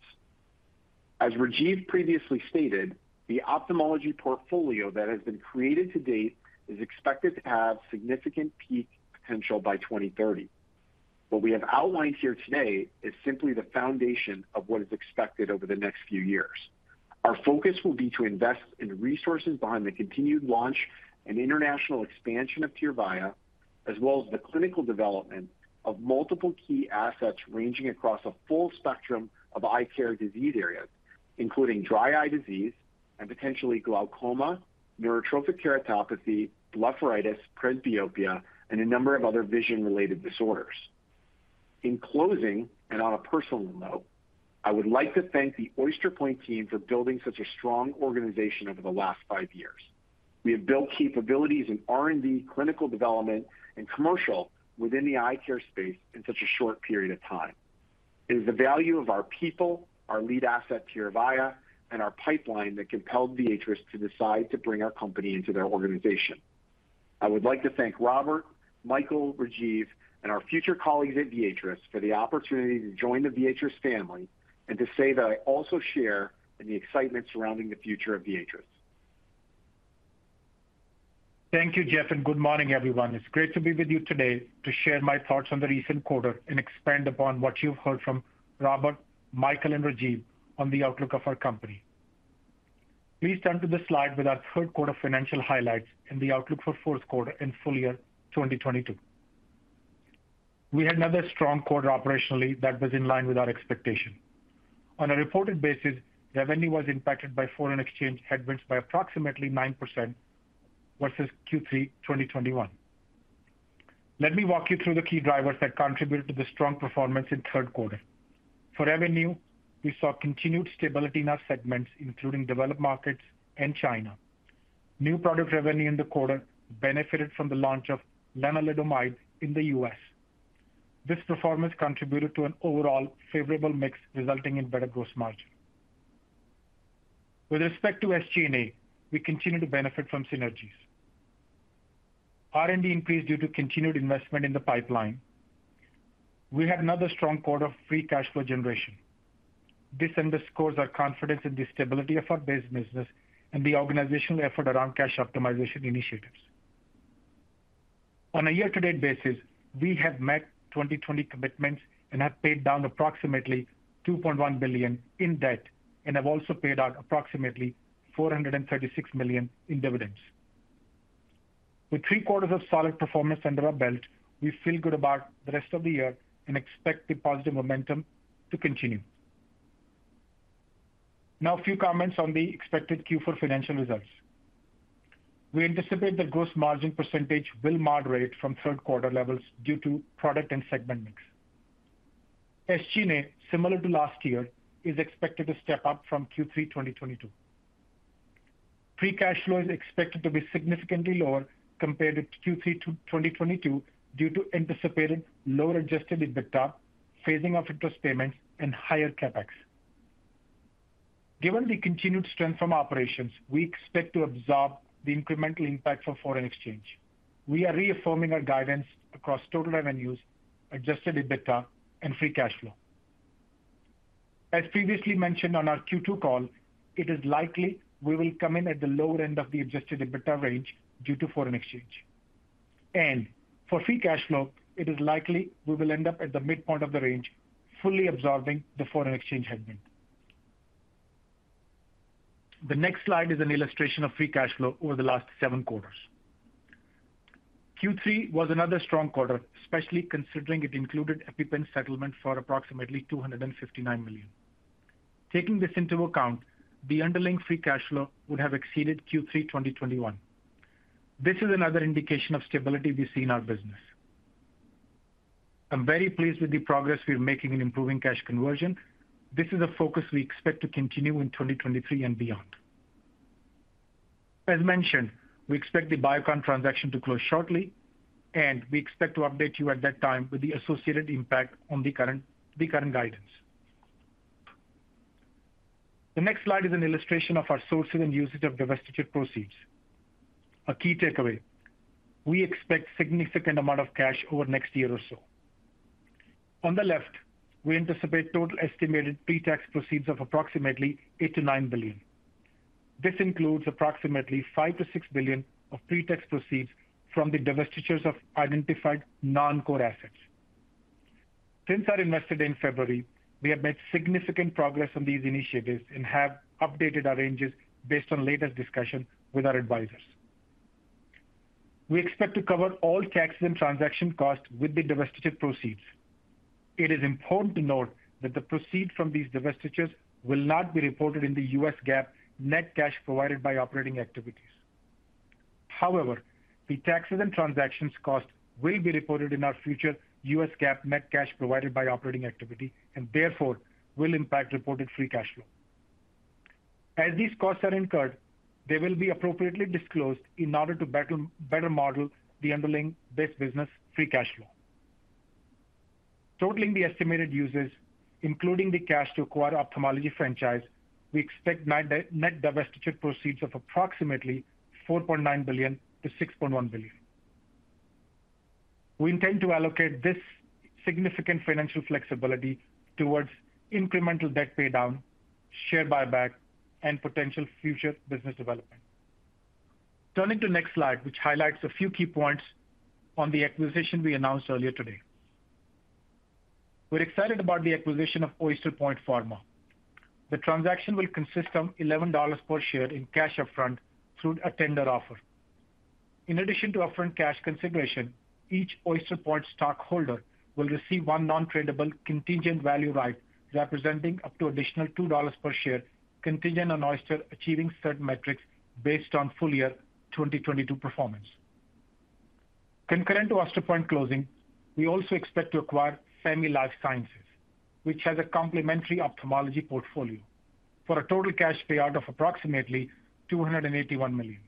As Rajiv previously stated, the ophthalmology portfolio that has been created to date is expected to have significant peak potential by 2030. What we have outlined here today is simply the foundation of what is expected over the next few years. Our focus will be to invest in resources behind the continued launch and international expansion of Tyrvaya, as well as the clinical development of multiple key assets ranging across a full spectrum of eye care disease areas, including dry eye disease and potentially glaucoma, neurotrophic keratopathy, blepharitis, presbyopia, and a number of other vision-related disorders. In closing, and on a personal note, I would like to thank the Oyster Point team for building such a strong organization over the last five years. We have built capabilities in R&D, clinical development, and commercial within the eye care space in such a short period of time. It is the value of our people, our lead asset, Tyrvaya, and our pipeline that compelled Viatris to decide to bring our company into their organization. I would like to thank Robert, Michael, Rajiv, and our future colleagues at Viatris for the opportunity to join the Viatris family and to say that I also share in the excitement surrounding the future of Viatris. Thank you, Jeff, and good morning, everyone. It's great to be with you today to share my thoughts on the recent quarter and expand upon what you've heard from Robert, Michael, and Rajiv on the outlook of our company. Please turn to the slide with our third quarter financial highlights and the outlook for fourth quarter and full year 2022. We had another strong quarter operationally that was in line with our expectation. On a reported basis, revenue was impacted by foreign exchange headwinds by approximately 9% versus Q3 2021. Let me walk you through the key drivers that contributed to the strong performance in third quarter. For revenue, we saw continued stability in our segments, including developed markets and China. New product revenue in the quarter benefited from the launch of lenalidomide in the U.S. This performance contributed to an overall favorable mix, resulting in better gross margin. With respect to SG&A, we continue to benefit from synergies. R&D increased due to continued investment in the pipeline. We had another strong quarter of free cash flow generation. This underscores our confidence in the stability of our base business and the organizational effort around cash optimization initiatives. On a year-to-date basis, we have met 2020 commitments and have paid down approximately $2.1 billion in debt and have also paid out approximately $436 million in dividends. With three quarters of solid performance under our belt, we feel good about the rest of the year and expect the positive momentum to continue. Now, a few comments on the expected Q4 financial results. We anticipate the gross margin percentage will moderate from third quarter levels due to product and segment mix. SG&A, similar to last year, is expected to step up from Q3 2022. Free cash flow is expected to be significantly lower compared to Q3 2022 due to anticipated lower adjusted EBITDA, phasing of interest payments, and higher CapEx. Given the continued strength from operations, we expect to absorb the incremental impact for foreign exchange. We are reaffirming our guidance across total revenues, adjusted EBITDA and free cash flow. As previously mentioned on our Q2 call, it is likely we will come in at the lower end of the adjusted EBITDA range due to foreign exchange. For free cash flow, it is likely we will end up at the midpoint of the range, fully absorbing the foreign exchange headwind. The next slide is an illustration of free cash flow over the last seven quarters. Q3 was another strong quarter, especially considering it included EpiPen settlement for approximately $259 million. Taking this into account, the underlying free cash flow would have exceeded Q3 2021. This is another indication of stability we see in our business. I'm very pleased with the progress we're making in improving cash conversion. This is a focus we expect to continue in 2023 and beyond. As mentioned, we expect the Biocon transaction to close shortly, and we expect to update you at that time with the associated impact on the current guidance. The next slide is an illustration of our sources and uses of divestiture proceeds. A key takeaway, we expect significant amount of cash over next year or so. On the left, we anticipate total estimated pre-tax proceeds of approximately $8 billion-$9 billion. This includes approximately $5 billion-$6 billion of pre-tax proceeds from the divestitures of identified non-core assets. Since our Investor Day in February, we have made significant progress on these initiatives and have updated our ranges based on latest discussion with our advisors. We expect to cover all taxes and transaction costs with the divestiture proceeds. It is important to note that the proceeds from these divestitures will not be reported in the US GAAP net cash provided by operating activities. However, the taxes and transactions cost will be reported in our future US GAAP net cash provided by operating activity, and therefore, will impact reported free cash flow. As these costs are incurred, they will be appropriately disclosed in order to better model the underlying base business free cash flow. Totaling the estimated uses, including the cash to acquire ophthalmology franchise, we expect net divestiture proceeds of approximately $4.9 billion-$6.1 billion. We intend to allocate this significant financial flexibility towards incremental debt paydown, share buyback, and potential future business development. Turning to next slide, which highlights a few key points on the acquisition we announced earlier today. We're excited about the acquisition of Oyster Point Pharma. The transaction will consist of $11 per share in cash upfront through a tender offer. In addition to upfront cash consideration, each Oyster Point stockholder will receive one non-tradable contingent value right representing up to additional $2 per share contingent on Oyster achieving certain metrics based on full year 2022 performance. Concurrent to Oyster Point closing, we also expect to acquire Famy Life Sciences, which has a complementary ophthalmology portfolio, for a total cash payout of approximately $281 million.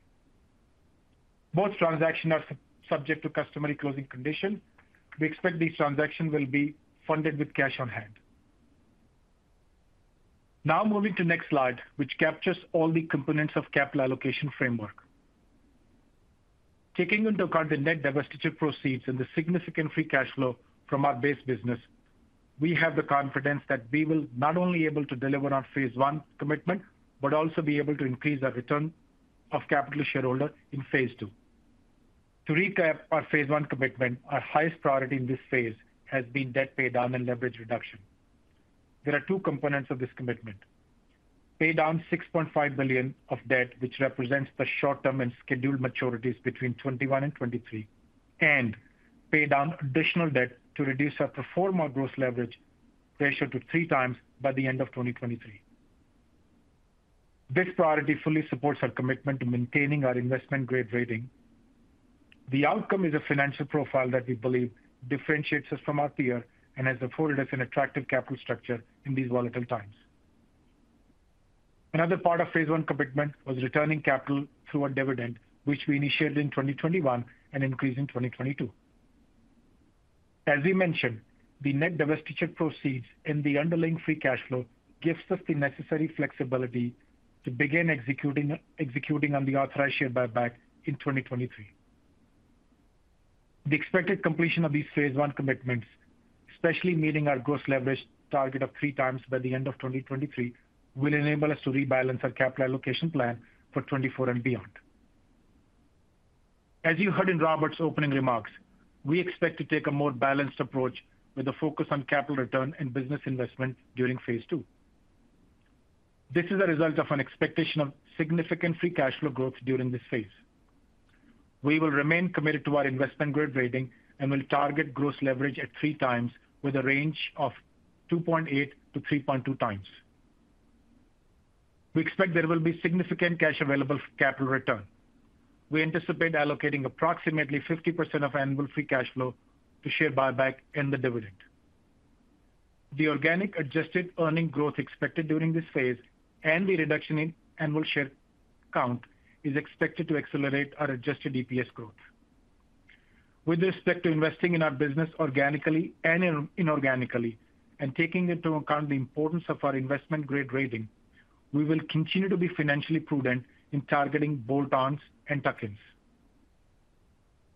Both transactions are subject to customary closing conditions. We expect these transactions will be funded with cash on hand. Now moving to next slide, which captures all the components of capital allocation framework. Taking into account the net divestiture proceeds and the significant free cash flow from our base business, we have the confidence that we will not only able to deliver on phase I commitment, but also be able to increase our return of capital to shareholder in phase II. To recap our phase I commitment, our highest priority in this phase has been debt paydown and leverage reduction. There are two components of this commitment. Pay down $6.5 billion of debt, which represents the short-term and scheduled maturities between 2021 and 2023, and pay down additional debt to reduce our pro forma gross leverage ratio to 3x by the end of 2023. This priority fully supports our commitment to maintaining our investment-grade rating. The outcome is a financial profile that we believe differentiates us from our peer and has afforded us an attractive capital structure in these volatile times. Another part of phase I commitment was returning capital through our dividend, which we initiated in 2021 and increased in 2022. As we mentioned, the net divestiture proceeds and the underlying free cash flow gives us the necessary flexibility to begin executing on the authorized share buyback in 2023. The expected completion of these phase I commitments, especially meeting our gross leverage target of 3x by the end of 2023, will enable us to rebalance our capital allocation plan for 2024 and beyond. As you heard in Robert's opening remarks, we expect to take a more balanced approach with a focus on capital return and business investment during phase II. This is a result of an expectation of significant free cash flow growth during this phase. We will remain committed to our investment-grade rating and will target gross leverage at 3x with a range of 2.8x-3.2x. We expect there will be significant cash available for capital return. We anticipate allocating approximately 50% of annual free cash flow to share buyback and the dividend. The organic adjusted earnings growth expected during this phase and the reduction in annual share count is expected to accelerate our adjusted EPS growth. With respect to investing in our business organically and inorganically, and taking into account the importance of our investment-grade rating, we will continue to be financially prudent in targeting bolt-ons and tuck-ins.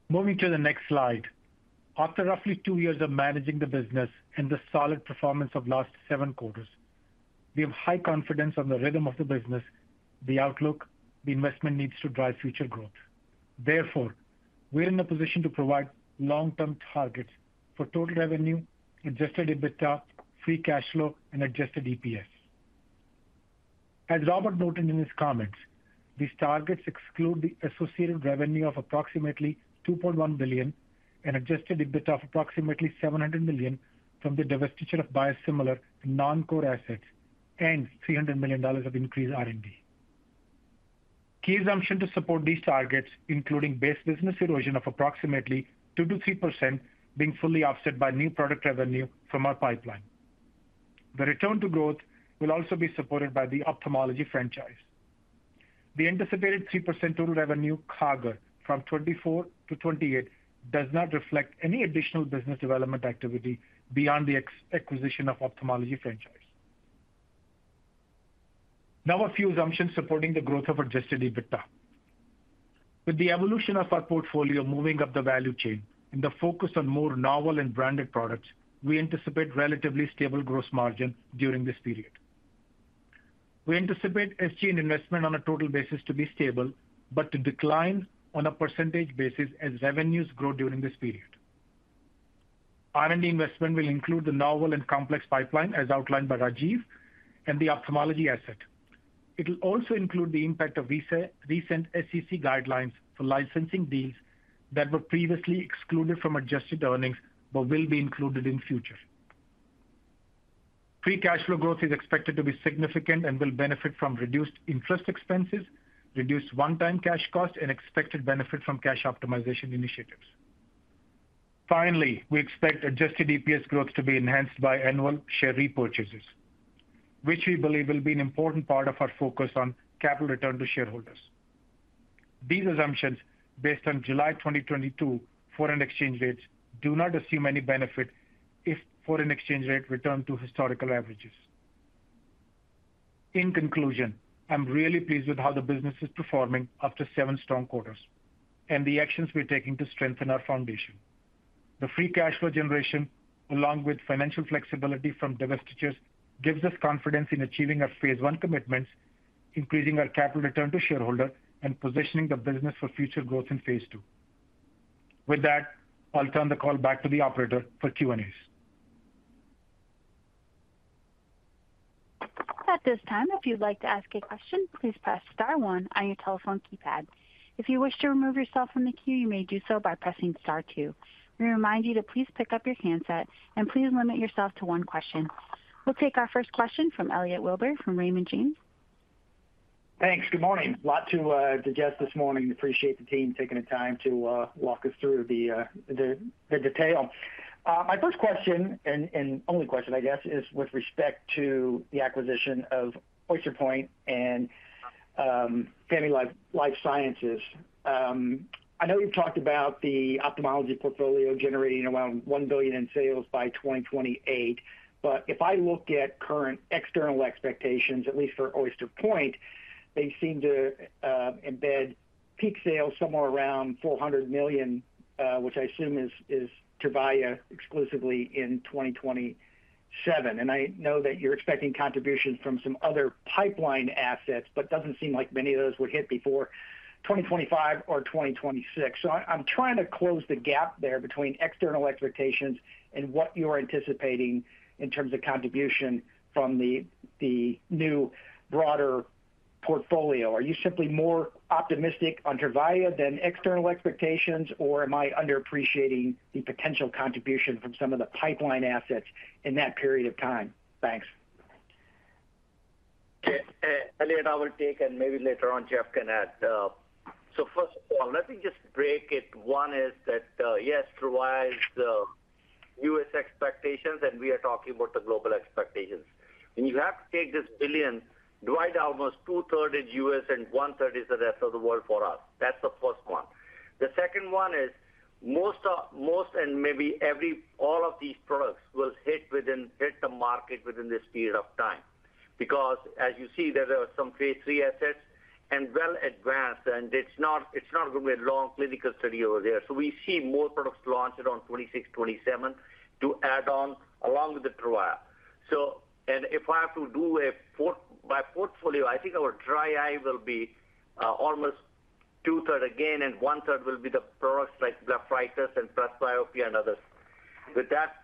Moving to the next slide. After roughly two years of managing the business and the solid performance of last seven quarters, we have high confidence on the rhythm of the business, the outlook, the investment needs to drive future growth. Therefore, we're in a position to provide long-term targets for total revenue, adjusted EBITDA, free cash flow, and adjusted EPS. As Robert noted in his comments, these targets exclude the associated revenue of approximately $2.1 billion and adjusted EBITDA of approximately $700 million from the divestiture of biosimilar non-core assets and $300 million of increased R&D. Key assumption to support these targets, including base business erosion of approximately 2%-3% being fully offset by new product revenue from our pipeline. The return to growth will also be supported by the ophthalmology franchise. The anticipated 3% total revenue CAGR from 2024-2028 does not reflect any additional business development activity beyond the acquisition of ophthalmology franchise. Now a few assumptions supporting the growth of adjusted EBITDA. With the evolution of our portfolio moving up the value chain and the focus on more novel and branded products, we anticipate relatively stable gross margin during this period. We anticipate SG&A investment on a total basis to be stable, but to decline on a percentage basis as revenues grow during this period. R&D investment will include the novel and complex pipeline, as outlined by Rajiv, and the ophthalmology asset. It will also include the impact of recent SEC guidelines for licensing deals that were previously excluded from adjusted earnings but will be included in future. Free cash flow growth is expected to be significant and will benefit from reduced interest expenses, reduced one-time cash costs, and expected benefit from cash optimization initiatives. Finally, we expect adjusted EPS growth to be enhanced by annual share repurchases, which we believe will be an important part of our focus on capital return to shareholders. These assumptions, based on July 2022 foreign exchange rates, do not assume any benefit if foreign exchange rate return to historical averages. In conclusion, I'm really pleased with how the business is performing after seven strong quarters and the actions we're taking to strengthen our foundation. The free cash flow generation, along with financial flexibility from divestitures, gives us confidence in achieving our phase I commitments, increasing our capital return to shareholders, and positioning the business for future growth in phase II. With that, I'll turn the call back to the operator for Q&As. At this time, if you'd like to ask a question, please press star one on your telephone keypad. If you wish to remove yourself from the queue, you may do so by pressing star two. We remind you to please pick up your handset and please limit yourself to one question. We'll take our first question from Elliot Wilbur from Raymond James. Thanks. Good morning. A lot to digest this morning. Appreciate the team taking the time to walk us through the detail. My first question and only question, I guess, is with respect to the acquisition of Oyster Point and Famy Life Sciences. I know you've talked about the ophthalmology portfolio generating around $1 billion in sales by 2028, but if I look at current external expectations, at least for Oyster Point, they seem to embed peak sales somewhere around $400 million, which I assume is Tyrvaya exclusively in 2027. I know that you're expecting contributions from some other pipeline assets, but doesn't seem like many of those would hit before 2025 or 2026. I'm trying to close the gap there between external expectations and what you're anticipating in terms of contribution from the new broader portfolio. Are you simply more optimistic on Tyrvaya than external expectations, or am I underappreciating the potential contribution from some of the pipeline assets in that period of time? Thanks. Okay. Elliot, I will take, and maybe later on Jeff can add. First of all, let me just break it. One is that, yes, Tyrvaya is US expectations, and we are talking about the global expectations. When you have to take this $1 billion, divide almost two-thirds is US and one-third is the rest of the world for us. That's the first one. The second one is most and maybe every, all of these products will hit the market within this period of time. Because as you see, there are some phase III assets and well advanced, and it's not gonna be a long clinical study over there. We see more products launched around 2026-2027 to add on along with the Tyrvaya. If I have to do by portfolio, I think our dry eye will be almost two-thirds again, and one-third will be the products like blepharitis and presbyopia and others. With that,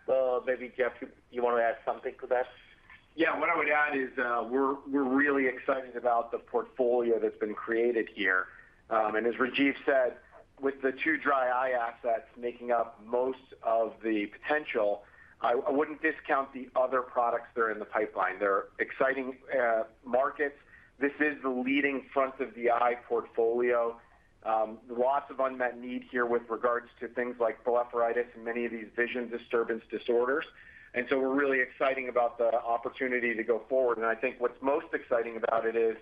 maybe Jeff, you wanna add something to that? Yeah. What I would add is, we're really excited about the portfolio that's been created here. As Rajiv said, with the two dry eye assets making up most of the potential, I wouldn't discount the other products that are in the pipeline. They're exciting markets. This is the leading front of the eye portfolio. Lots of unmet need here with regards to things like blepharitis and many of these vision disturbance disorders. We're really exciting about the opportunity to go forward. I think what's most exciting about it is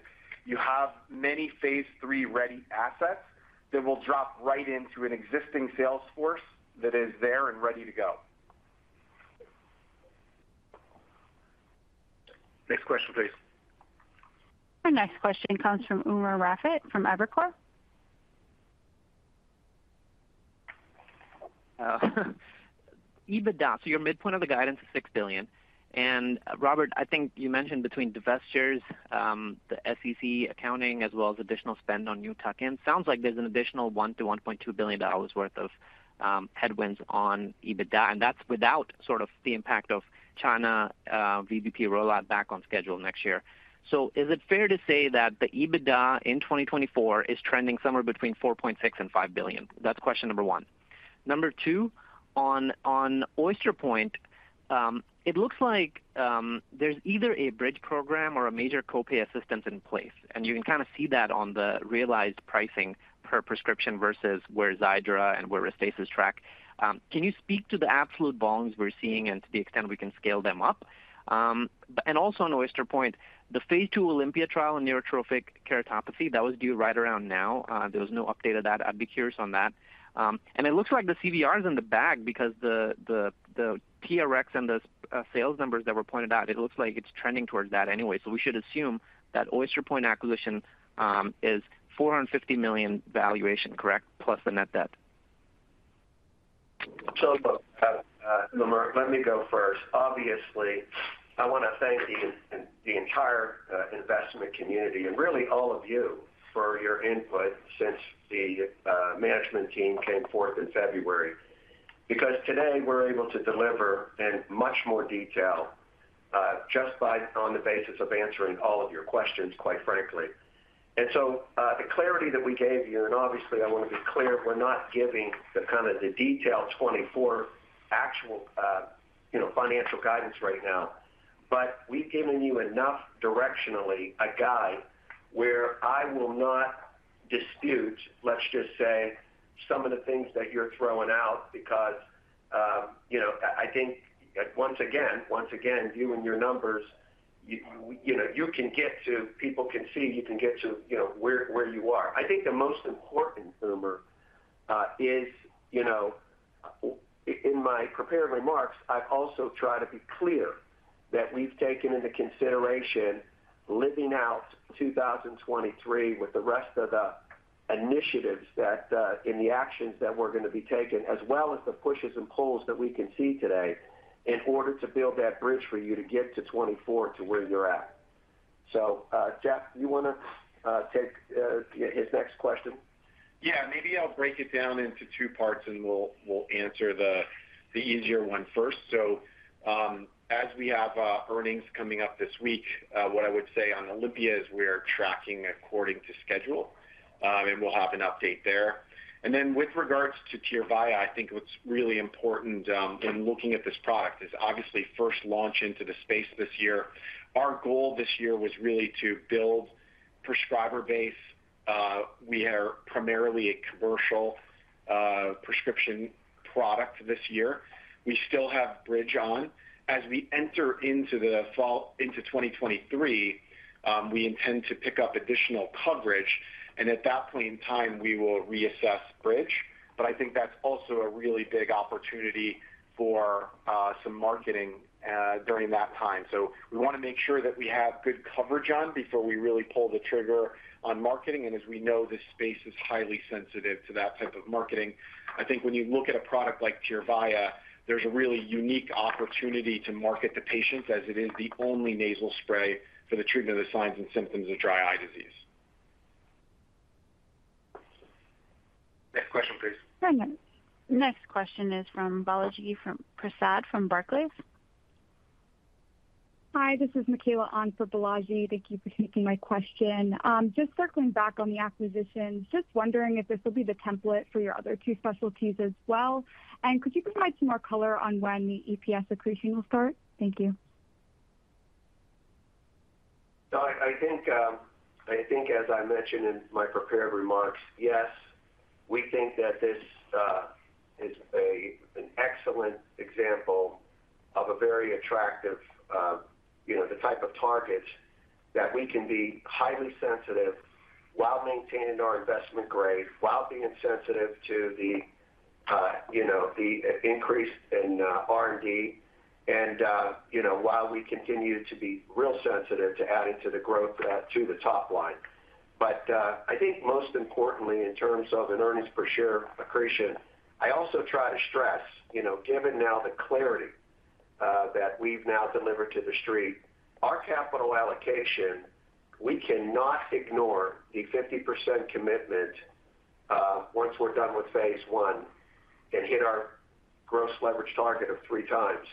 you have many phase III-ready assets that will drop right into an existing sales force that is there and ready to go. Next question, please. Our next question comes from Umer Raffat from Evercore. EBITDA. Your midpoint of the guidance is $6 billion. Robert, I think you mentioned between divestitures, the SEC accounting as well as additional spend on new tuck-in. Sounds like there's an additional $1-$1.2 billion worth of headwinds on EBITDA, and that's without sort of the impact of China VBP rollout back on schedule next year. Is it fair to say that the EBITDA in 2024 is trending somewhere between $4.6 billion-$5 billion? That's question number one. Number two, on Oyster Point, it looks like there's either a bridge program or a major copay assistance in place, and you can kind of see that on the realized pricing per prescription versus where Xiidra and where Restasis track. Can you speak to the absolute volumes we're seeing and to the extent we can scale them up? And also on Oyster Point, the phase II OLYMPIA trial in neurotrophic keratopathy, that was due right around now. There was no update of that. I'd be curious on that. And it looks like the CVR is in the bag because the TRX and the sales numbers that were pointed out, it looks like it's trending towards that anyway. We should assume that Oyster Point acquisition is $450 million valuation, correct? Plus the net debt. Umer, let me go first. Obviously, I wanna thank the entire investment community, and really all of you for your input since the management team came forth in February. Because today, we're able to deliver in much more detail just based on the basis of answering all of your questions, quite frankly. The clarity that we gave you, and obviously I wanna be clear, we're not giving the kinda the detailed 2024 actual, you know, financial guidance right now. We've given you enough directionally a guide where I will not dispute, let's just say, some of the things that you're throwing out because, you know, I think once again, you and your numbers, you know, you can get to, people can see you can get to, you know, where you are. I think the most important, Umer, is, you know, in my prepared remarks, I also try to be clear that we've taken into consideration living out 2023 with the rest of the initiatives that, and the actions that we're gonna be taking, as well as the pushes and pulls that we can see today in order to build that bridge for you to get to 2024 to where you're at. Jeff, you wanna take his next question? Yeah. Maybe I'll break it down into two parts, and we'll answer the easier one first. As we have earnings coming up this week, what I would say on OLYMPIA is we are tracking according to schedule, and we'll have an update there. With regards to Tyrvaya, I think what's really important in looking at this product is obviously first launch into the space this year. Our goal this year was really to build prescriber base. We are primarily a commercial prescription product this year. We still have Bridge on. As we enter into the fall into 2023, we intend to pick up additional coverage, and at that point in time, we will reassess Bridge. I think that's also a really big opportunity for some marketing during that time. We wanna make sure that we have good coverage on before we really pull the trigger on marketing, and as we know, this space is highly sensitive to that type of marketing. I think when you look at a product like Tyrvaya, there's a really unique opportunity to market to patients as it is the only nasal spray for the treatment of the signs and symptoms of dry eye disease. Next question, please. Sure. Next question is from Balaji Prasad from Barclays. Hi, this is Michaela on for Balaji. Thank you for taking my question. Just circling back on the acquisition, just wondering if this will be the template for your other two specialties as well. Could you provide some more color on when the EPS accretion will start? Thank you. I think as I mentioned in my prepared remarks, yes, we think that this is an excellent example of a very attractive type of targets that we can be highly selective while maintaining our investment grade, while being sensitive to the increase in R&D and while we continue to be real sensitive to adding to the growth to the top line. I think most importantly, in terms of an earnings per share accretion, I also try to stress, given the clarity that we've delivered to The Street, our capital allocation, we cannot ignore the 50% commitment once we're done with phase I and hit our gross leverage target of three times.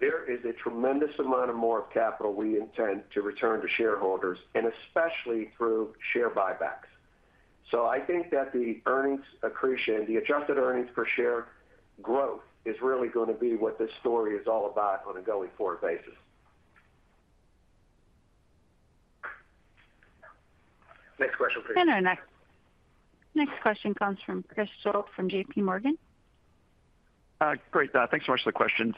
There is a tremendous amount of more capital we intend to return to shareholders, and especially through share buybacks. I think that the earnings accretion, the adjusted earnings per share growth is really gonna be what this story is all about on a going forward basis. Next question, please. Our next question comes from Chris Schott from JPMorgan. Thanks so much for the questions.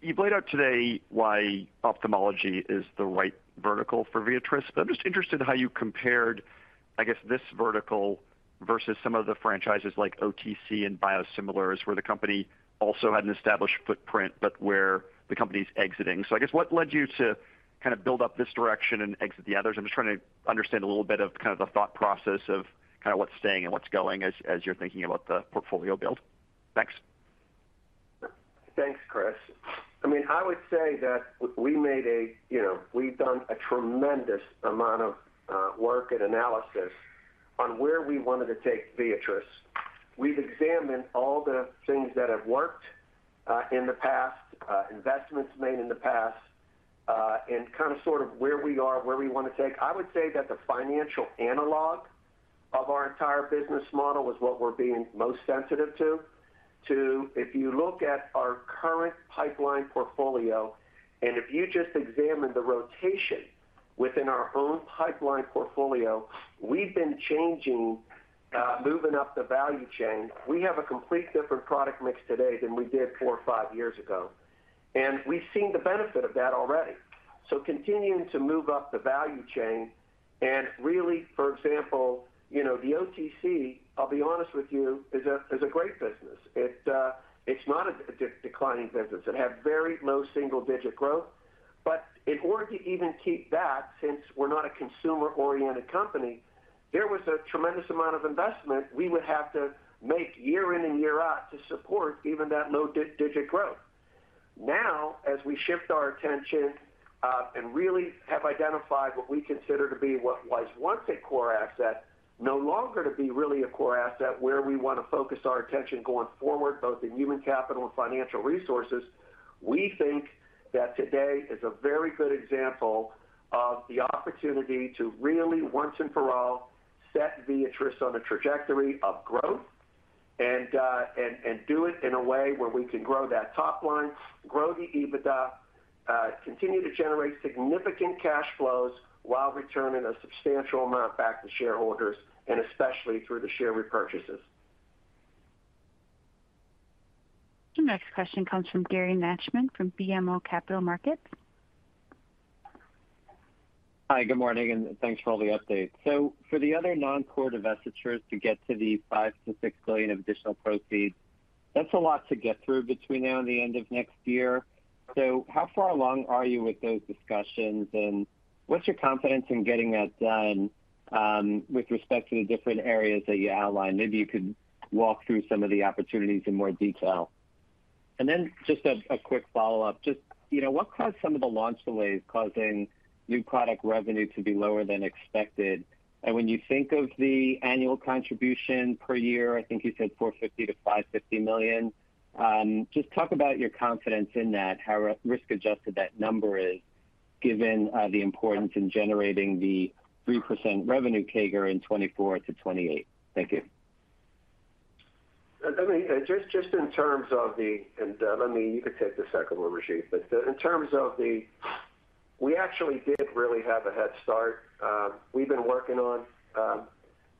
You've laid out today why ophthalmology is the right vertical for Viatris, but I'm just interested how you compared, I guess, this vertical versus some of the franchises like OTC and biosimilars, where the company. Also had an established footprint, but where the company's exiting. I guess what led you to kind of build up this direction and exit the others? I'm just trying to understand a little bit of kind of the thought process of kind of what's staying and what's going as you're thinking about the portfolio build. Thanks. Thanks, Chris. I mean, I would say that we've done a tremendous amount of work and analysis on where we wanted to take Viatris. We've examined all the things that have worked in the past, investments made in the past, and kind of sort of where we are, where we wanna take. I would say that the financial analog of our entire business model was what we're being most sensitive to. If you look at our current pipeline portfolio, and if you just examine the rotation within our own pipeline portfolio, we've been changing, moving up the value chain. We have a completely different product mix today than we did four or five years ago, and we've seen the benefit of that already. Continuing to move up the value chain and really, for example, you know, the OTC, I'll be honest with you, is a great business. It, it's not a declining business. It had very low single-digit growth. In order to even keep that, since we're not a consumer-oriented company, there was a tremendous amount of investment we would have to make year in and year out to support even that low single-digit growth. Now, as we shift our attention and really have identified what we consider to be what was once a core asset, no longer to be really a core asset, where we wanna focus our attention going forward, both in human capital and financial resources, we think that today is a very good example of the opportunity to really, once and for all, set Viatris on a trajectory of growth and do it in a way where we can grow that top line, grow the EBITDA, continue to generate significant cash flows while returning a substantial amount back to shareholders, and especially through the share repurchases. The next question comes from Gary Nachman from BMO Capital Markets. Hi, good morning, and thanks for all the updates. For the other non-core divestitures to get to the $5 billion-$6 billion of additional proceeds, that's a lot to get through between now and the end of next year. How far along are you with those discussions, and what's your confidence in getting that done with respect to the different areas that you outlined? Maybe you could walk through some of the opportunities in more detail. Just a quick follow-up. You know, what caused some of the launch delays causing new product revenue to be lower than expected? When you think of the annual contribution per year, I think you said $450 million-$550 million, just talk about your confidence in that, how risk adjusted that number is given the importance in generating the 3% revenue CAGR in 2024 to 2028. Thank you. You could take the second one, Rajiv. In terms of the, we actually did really have a head start. We've been working on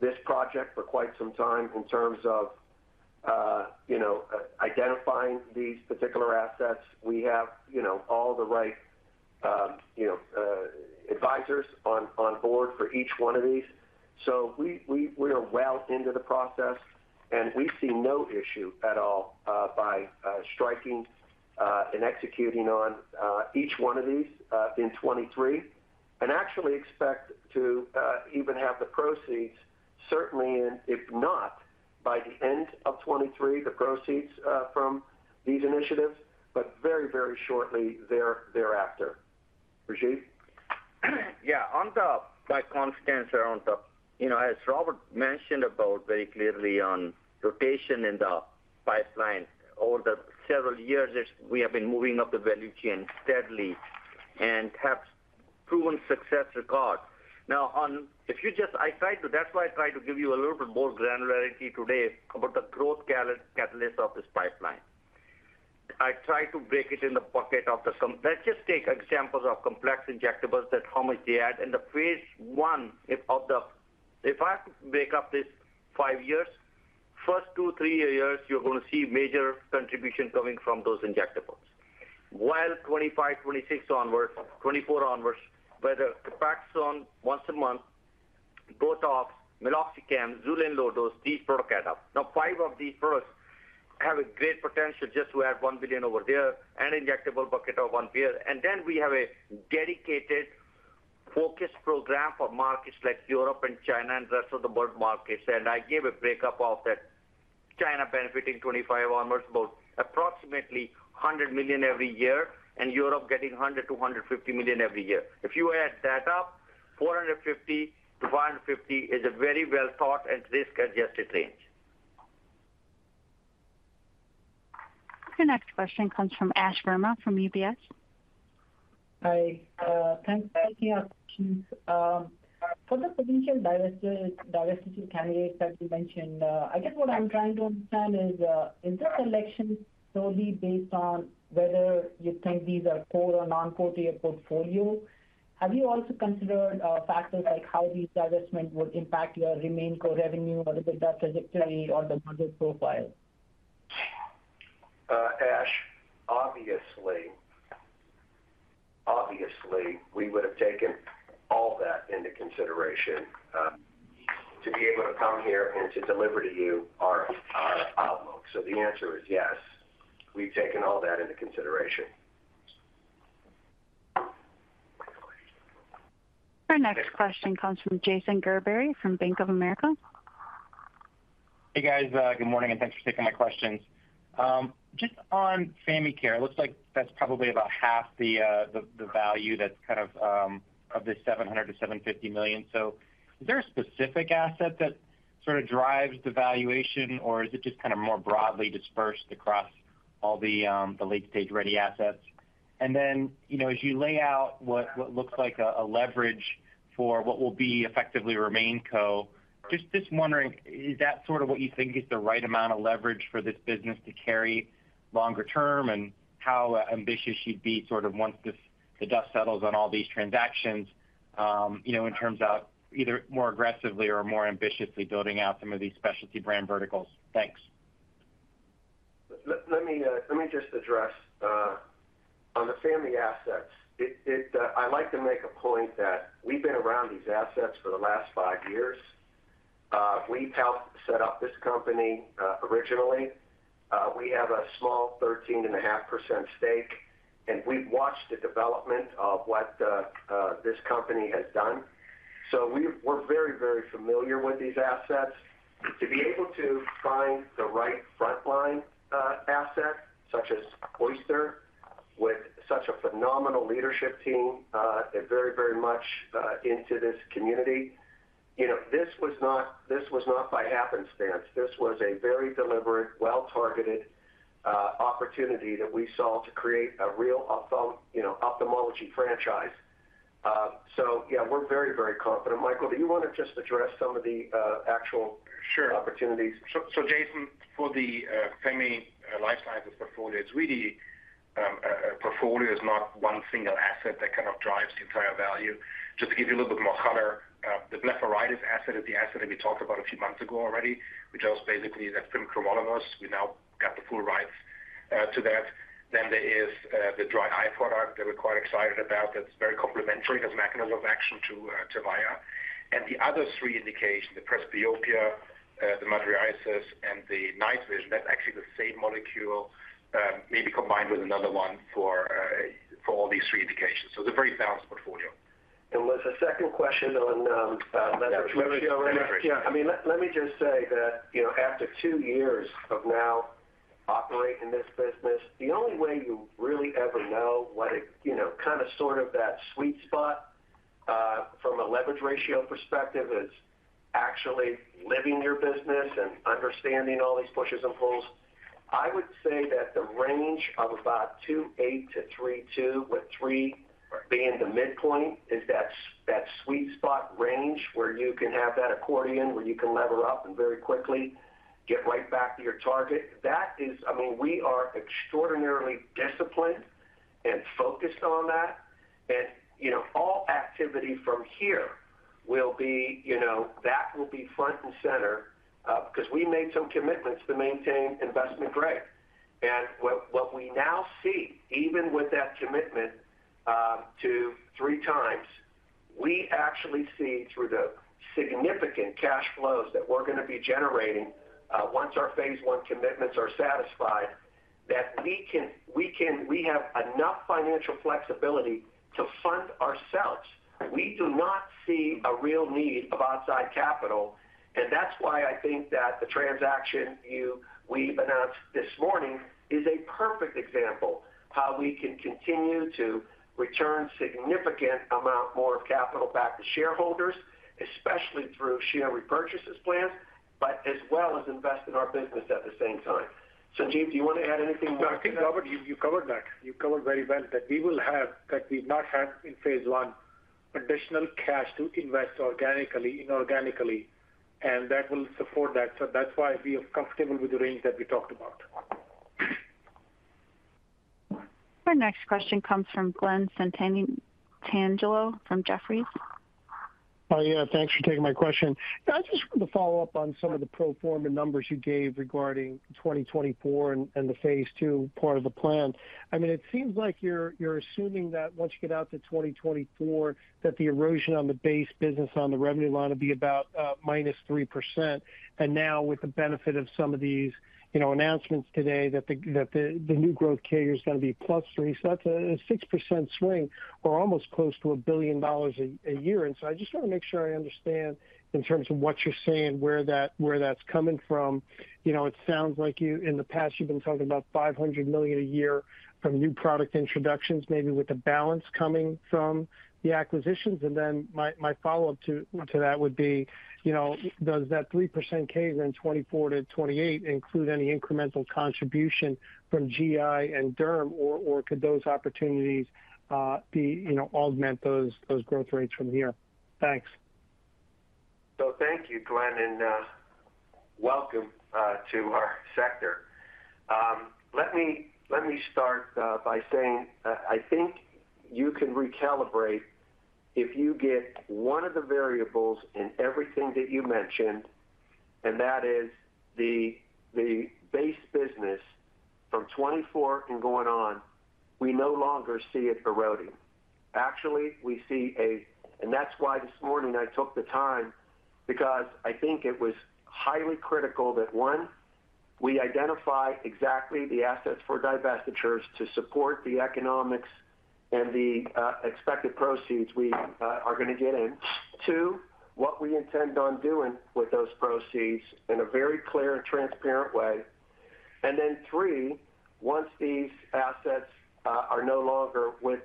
this project for quite some time in terms of you know identifying these particular assets. We have you know all the right advisors on board for each one of these. So we are well into the process, and we see no issue at all by striking and executing on each one of these in 2023. We actually expect to even have the proceeds certainly in if not by the end of 2023 the proceeds from these initiatives but very very shortly thereafter. Rajiv? Yeah. On the confidence around the. You know, as Robert mentioned about very clearly on rotation in the pipeline over the several years is we have been moving up the value chain steadily and have proven success record. Now, if you just try to, that's why I try to give you a little bit more granularity today about the growth catalysts of this pipeline. I try to break it into the buckets of the. Let's just take examples of complex injectables that how much they add. In the phase I of the. If I break up this five years, first two, three years, you're gonna see major contribution coming from those injectables. While 2025, 2026 onwards, 2024 onwards, whether Copaxone once a month, Botox, Meloxicam, Xulane low-dose, these products add up. Now, five of these products have a great potential just to add $1 billion over there and injectable bucket of $1 billion. Then we have a dedicated focus program for markets like Europe and China and rest of the world markets. I gave a breakdown of that China benefiting 2025 onwards, about approximately $100 million every year, and Europe getting $100-$150 million every year. If you add that up, $450-$550 million is a very well thought and risk-adjusted range. Your next question comes from Ash Verma from UBS. Hi, thanks for taking our questions. For the potential divestiture candidates that you mentioned, I guess what I'm trying to understand is the selection solely based on whether you think these are core or non-core to your portfolio? Have you also considered factors like how these divestment would impact your remaining core revenue or the better trajectory or the margin profile? Ash, obviously, we would have taken all that into consideration, to be able to come here and to deliver to you our outlook. The answer is yes, we've taken all that into consideration. Our next question comes from Jason Gerberry from Bank of America. Hey, guys. Good morning, and thanks for taking my questions. Just on Famy Life, it looks like that's probably about half the value that's kind of of the $700 million-$750 million. So is there a specific asset that sort of drives the valuation, or is it just kind of more broadly dispersed across all the late-stage-ready assets? And then, you know, as you lay out what looks like a leverage for what will be effectively RemainCo, just wondering, is that sort of what you think is the right amount of leverage for this business to carry longer term? And how ambitious you'd be sort of once the dust settles on all these transactions, you know, in terms of either more aggressively or more ambitiously building out some of these specialty brand verticals? Thanks. Let me just address on the Famy assets. I like to make a point that we've been around these assets for the last five years. We helped set up this company originally. We have a small 13.5% stake, and we've watched the development of what this company has done. We're very, very familiar with these assets. To be able to find the right frontline asset, such as Oyster, with such a phenomenal leadership team, and very, very much into this community. You know, this was not by happenstance. This was a very deliberate, well-targeted opportunity that we saw to create a real ophthalmology franchise. Yeah, we're very, very confident. Michael, do you wanna just address some of the, actual- Sure. -opportunities? Jason, for the Famy Life Sciences portfolio, it's really a portfolio is not one single asset that kind of drives the entire value. Just to give you a little bit more color, the blepharitis asset is the asset that we talked about a few months ago already, which was basically the pimecrolimus. We now got the full rights to that. Then there is the dry eye product that we're quite excited about that's very complementary as mechanism of action to Xiidra. The other three indications, the presbyopia, the madarosis, and the night vision, that's actually the same molecule, maybe combined with another one for all these three indications. It's a very balanced portfolio. There's a second question on leverage ratio. Yeah, leverage. I mean, let me just say that, you know, after two years of now operating this business, the only way you really ever know what a, you know, kinda sort of that sweet spot from a leverage ratio perspective is actually living your business and understanding all these pushes and pulls. I would say that the range of about 2.8-3.2, with 3 being the midpoint, is that sweet spot range where you can have that accordion, where you can lever up and very quickly get right back to your target. That is. I mean, we are extraordinarily disciplined and focused on that. You know, all activity from here will be, you know, that will be front and center, 'cause we made some commitments to maintain investment grade. What we now see, even with that commitment to three times, we actually see through the significant cash flows that we're gonna be generating once our phase I commitments are satisfied, that we have enough financial flexibility to fund ourselves. We do not see a real need of outside capital. That's why I think that the transaction we've announced this morning is a perfect example how we can continue to return significant amount more of capital back to shareholders, especially through share repurchases plans, but as well as invest in our business at the same time. Sanjeev, do you wanna add anything more to that? No, I think, Robert, you covered that. You covered very well that we will have, that we've not had in phase I, additional cash to invest organically, inorganically, and that will support that. That's why we are comfortable with the range that we talked about. Our next question comes from Glen Santangelo from Jefferies. Oh yeah, thanks for taking my question. I just wanted to follow up on some of the pro forma numbers you gave regarding 2024 and the phase II part of the plan. I mean, it seems like you're assuming that once you get out to 2024, that the erosion on the base business on the revenue line will be about -3%. Now with the benefit of some of these, you know, announcements today that the new growth K is gonna be +3%, so that's a 6% swing or almost close to $1 billion a year. I just wanna make sure I understand in terms of what you're saying, where that's coming from. You know, it sounds like you, in the past, you've been talking about $500 million a year from new product introductions, maybe with the balance coming from the acquisitions. My follow-up to that would be, you know, does that 3% CAGR then 24%-28% include any incremental contribution from GI and Derm or could those opportunities be, you know, augment those growth rates from here? Thanks. Thank you, Glen, and welcome to our sector. Let me start by saying, I think you can recalibrate if you get one of the variables in everything that you mentioned. That is the base business from 2024 and going on, we no longer see it eroding. Actually, we see a--that's why this morning I took the time because I think it was highly critical that, one, we identify exactly the assets for divestitures to support the economics and the expected proceeds we are gonna get in. Two, what we intend on doing with those proceeds in a very clear and transparent way. Then three, once these assets are no longer with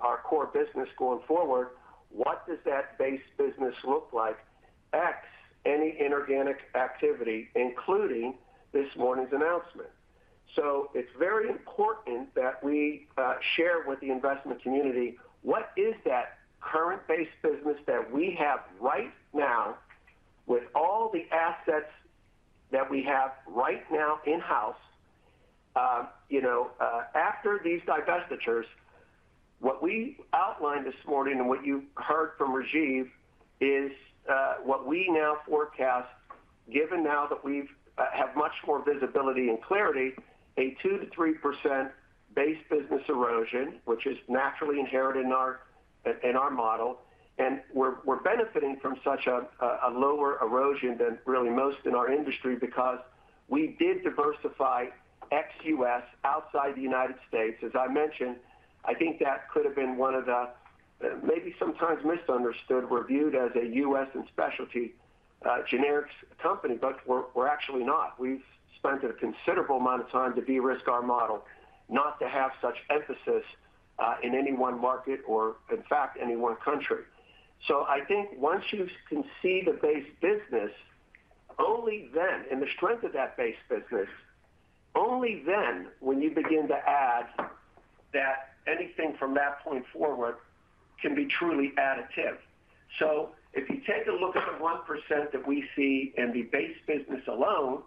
our core business going forward, what does that base business look like ex any inorganic activity, including this morning's announcement. It's very important that we share with the investment community what is the current base business that we have right now with all the assets that we have right now in-house, you know, after these divestitures. What we outlined this morning and what you heard from Rajiv is what we now forecast, given now that we have much more visibility and clarity, a 2%-3% base business erosion, which is naturally inherent in our model. We're benefiting from such a lower erosion than really most in our industry because we did diversify ex-U.S. outside the United States. As I mentioned, I think that could have been one of the maybe sometimes misunderstood, we're viewed as a U.S. and specialty generics company, but we're actually not. We've spent a considerable amount of time to de-risk our model not to have such emphasis in any one market or in fact, any one country. I think once you can see the base business, only then and the strength of that base business, only then when you begin to add that anything from that point forward can be truly additive. If you take a look at the 1% that we see in the base business alone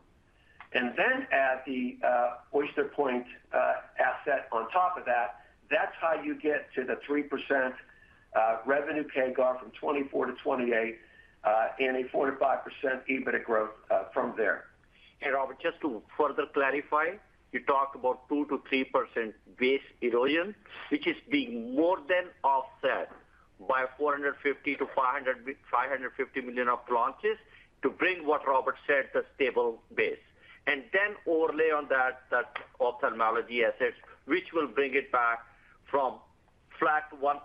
and then add the Oyster Point asset on top of that's how you get to the 3% revenue CAGR from 2024 to 2028 and a 4%-5% EBITDA growth from there. Robert, just to further clarify, you talked about 2%-3% base erosion, which is being more than offset by $450 million-$550 million of launches to bring what Robert said, the stable base. Then overlay on that ophthalmology assets, which will bring it back from flat 1%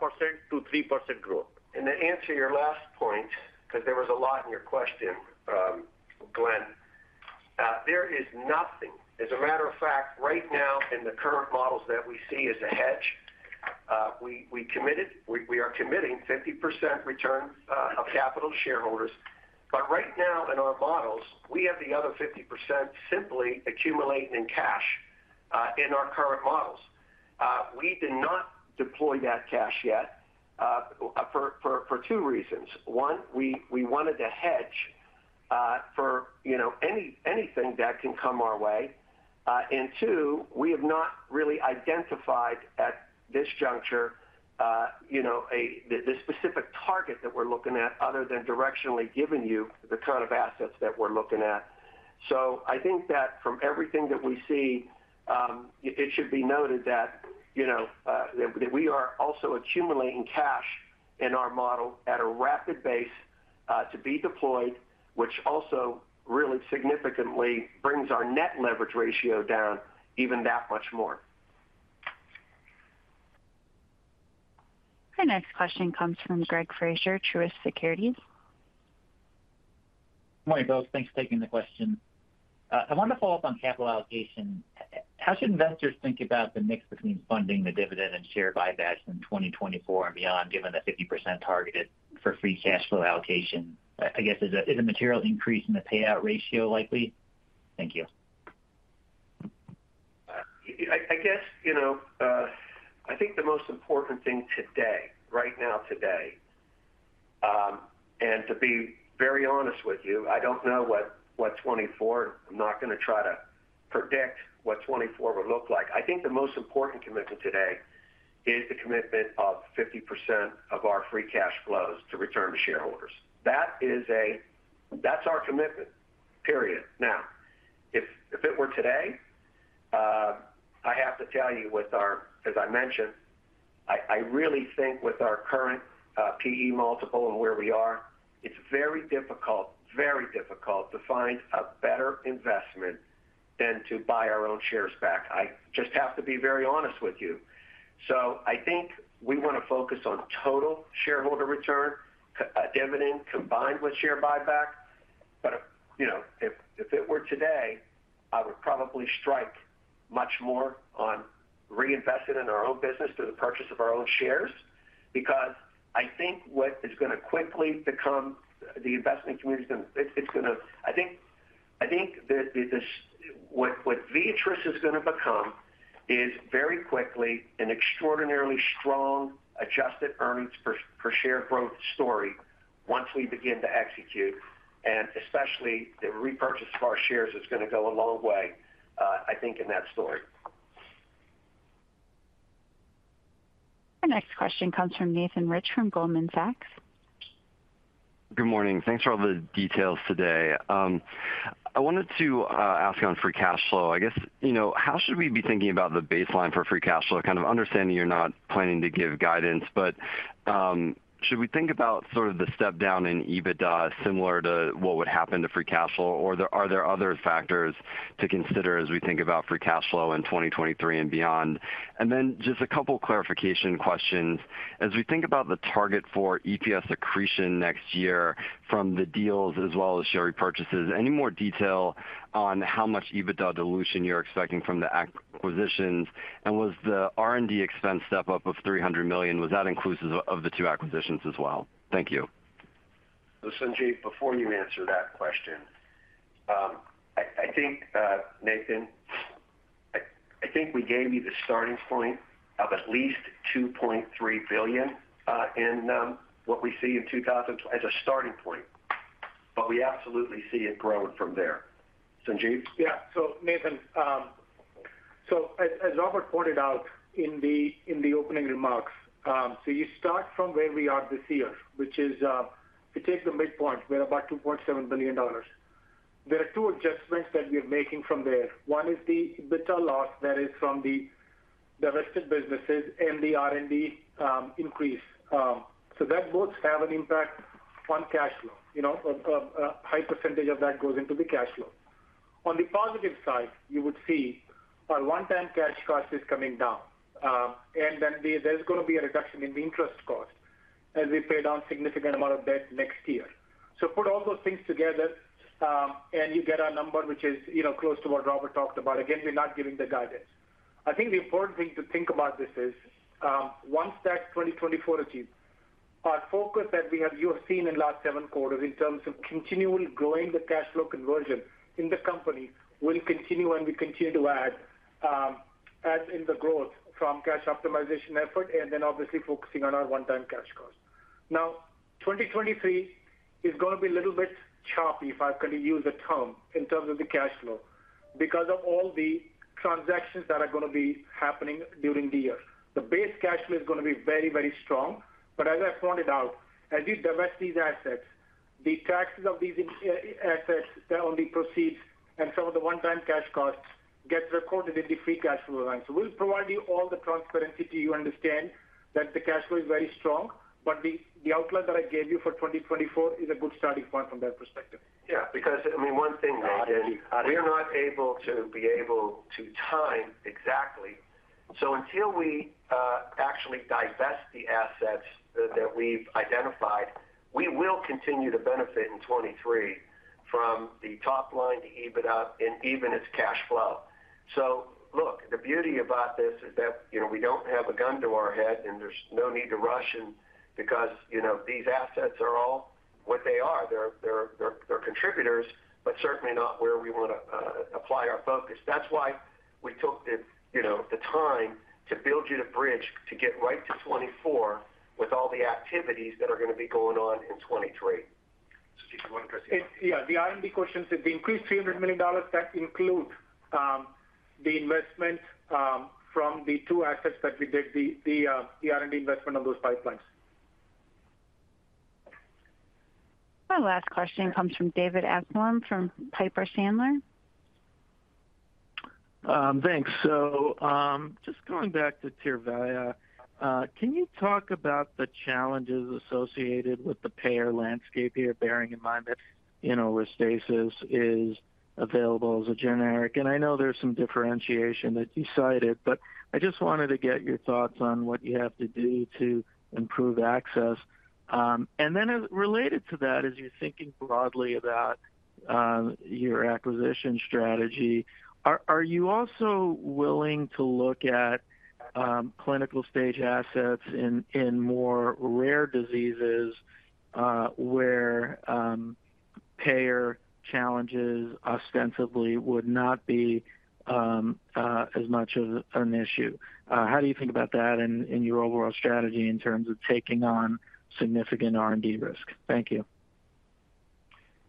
to 3% growth. To answer your last point, because there was a lot in your question, Glen, there is nothing, as a matter of fact, right now in the current models that we see as a hedge. We are committing 50% return of capital to shareholders. Right now in our models, we have the other 50% simply accumulating in cash in our current models. We did not deploy that cash yet for two reasons. One, we wanted to hedge for, you know, anything that can come our way. And two, we have not really identified at this juncture, you know, the specific target that we're looking at other than directionally giving you the kind of assets that we're looking at. I think that from everything that we see, it should be noted that, you know, that we are also accumulating cash in our model at a rapid pace, to be deployed, which also really significantly brings our net leverage ratio down even that much more. Our next question comes from Greg Fraser, Truist Securities. Morning, folks. Thanks for taking the question. I wanted to follow up on capital allocation. How should investors think about the mix between funding the dividend and share buybacks in 2024 and beyond, given the 50% targeted for free cash flow allocation? I guess, is a material increase in the payout ratio likely? Thank you. I guess, you know, I think the most important thing today, right now today, and to be very honest with you, I don't know what 2024. I'm not gonna try to predict what 2024 would look like. I think the most important commitment today is the commitment of 50% of our free cash flows to return to shareholders. That is. That's our commitment, period. Now, if it were today, I have to tell you with our, as I mentioned, I really think with our current P/E multiple and where we are, it's very difficult to find a better investment than to buy our own shares back. I just have to be very honest with you. I think we wanna focus on total shareholder return, a dividend combined with share buyback. If you know, if it were today, I would probably strike much more on reinvesting in our own business through the purchase of our own shares, because I think what Viatris is gonna become is very quickly an extraordinarily strong adjusted earnings per share growth story once we begin to execute, and especially the repurchase of our shares is gonna go a long way, I think, in that story. Our next question comes from Nathan Rich from Goldman Sachs. Good morning. Thanks for all the details today. I wanted to ask on free cash flow, I guess, you know, how should we be thinking about the baseline for free cash flow? Kind of understanding you're not planning to give guidance, but, should we think about sort of the step down in EBITDA similar to what would happen to free cash flow? Or are there other factors to consider as we think about free cash flow in 2023 and beyond? And then just a couple clarification questions. As we think about the target for EPS accretion next year from the deals as well as share repurchases, any more detail on how much EBITDA dilution you're expecting from the acquisitions? And was the R&D expense step up of $300 million, was that inclusive of the two acquisitions as well? Thank you. Sanjeev, before you answer that question, I think, Nathan, I think we gave you the starting point of at least $2.3 billion in what we see in 2000 as a starting point. We absolutely see it growing from there. Sanjeev? Yeah. Nathan, as Robert pointed out in the opening remarks, you start from where we are this year, which is, if you take the midpoint, we're about $2.7 billion. There are two adjustments that we are making from there. One is the EBITDA loss that is from the divested businesses and the R&D increase. That both have an impact on cash flow. You know, a high percentage of that goes into the cash flow. On the positive side, you would see our one-time cash cost is coming down. Then there's going to be a reduction in the interest cost as we pay down significant amount of debt next year. Put all those things together, and you get a number which is, you know, close to what Robert talked about. Again, we're not giving the guidance. I think the important thing to think about this is, once that 2024 achieve, our focus you have seen in last seven quarters in terms of continually growing the cash flow conversion in the company will continue, and we continue to add adds in the growth from cash optimization effort, and then obviously focusing on our one-time cash costs. Now, 2023 is gonna be a little bit choppy, if I can use a term, in terms of the cash flow because of all the transactions that are gonna be happening during the year. The base cash flow is gonna be very, very strong. As I pointed out, as we divest these assets, the taxes on these assets on the proceeds and some of the one-time cash costs get recorded in the free cash flow line. We'll provide you all the transparency till you understand that the cash flow is very strong, but the outline that I gave you for 2024 is a good starting point from that perspective. Yeah, because I mean, one thing, Nathan, we are not able to time exactly. Until we actually divest the assets that we've identified, we will continue to benefit in 2023 from the top line to EBITDA and even its cash flow. Look, the beauty about this is that, you know, we don't have a gun to our head, and there's no need to rush because, you know, these assets are all what they are. They're contributors, but certainly not where we wanna apply our focus. That's why we took the, you know, the time to build you the bridge to get right to 2024 with all the activities that are gonna be going on in 2023. Sanjeev, you want to add something? Yeah. The R&D questions, if we increase $300 million, that includes the investment from the two assets that we did the R&D investment on those pipelines. Our last question comes from David Amsellem from Piper Sandler. Thanks. Just going back to Tyrvaya, can you talk about the challenges associated with the payer landscape here, bearing in mind that, you know, Restasis is available as a generic, and I know there's some differentiation that you cited, but I just wanted to get your thoughts on what you have to do to improve access. Related to that, as you're thinking broadly about your acquisition strategy, are you also willing to look at clinical stage assets in more rare diseases, where payer challenges ostensibly would not be as much of an issue? How do you think about that in your overall strategy in terms of taking on significant R&D risk? Thank you.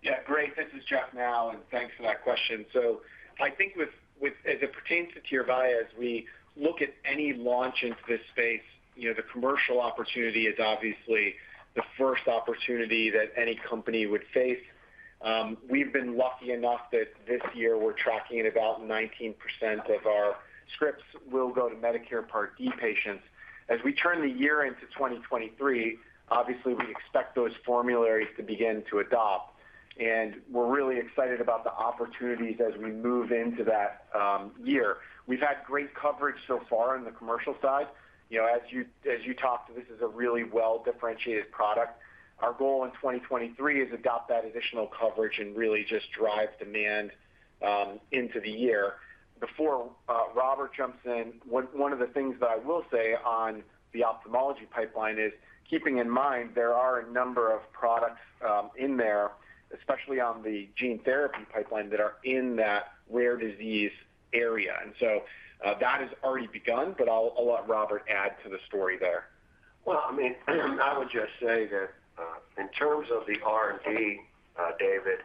Yeah, great. This is Jeff now, and thanks for that question. I think with as it pertains to Tyrvaya, as we look at any launch into this space, you know, the commercial opportunity is obviously the first opportunity that any company would face. We've been lucky enough that this year we're tracking at about 19% of our scripts will go to Medicare Part D patients. As we turn the year into 2023, obviously, we expect those formularies to begin to adopt, and we're really excited about the opportunities as we move into that year. We've had great coverage so far on the commercial side. You know, as you talked, this is a really well-differentiated product. Our goal in 2023 is adopt that additional coverage and really just drive demand into the year. Before Robert jumps in, one of the things that I will say on the ophthalmology pipeline is keeping in mind there are a number of products in there, especially on the gene therapy pipeline, that are in that rare disease area. That has already begun, but I'll let Robert add to the story there. Well, I mean, I would just say that, in terms of the R&D, David,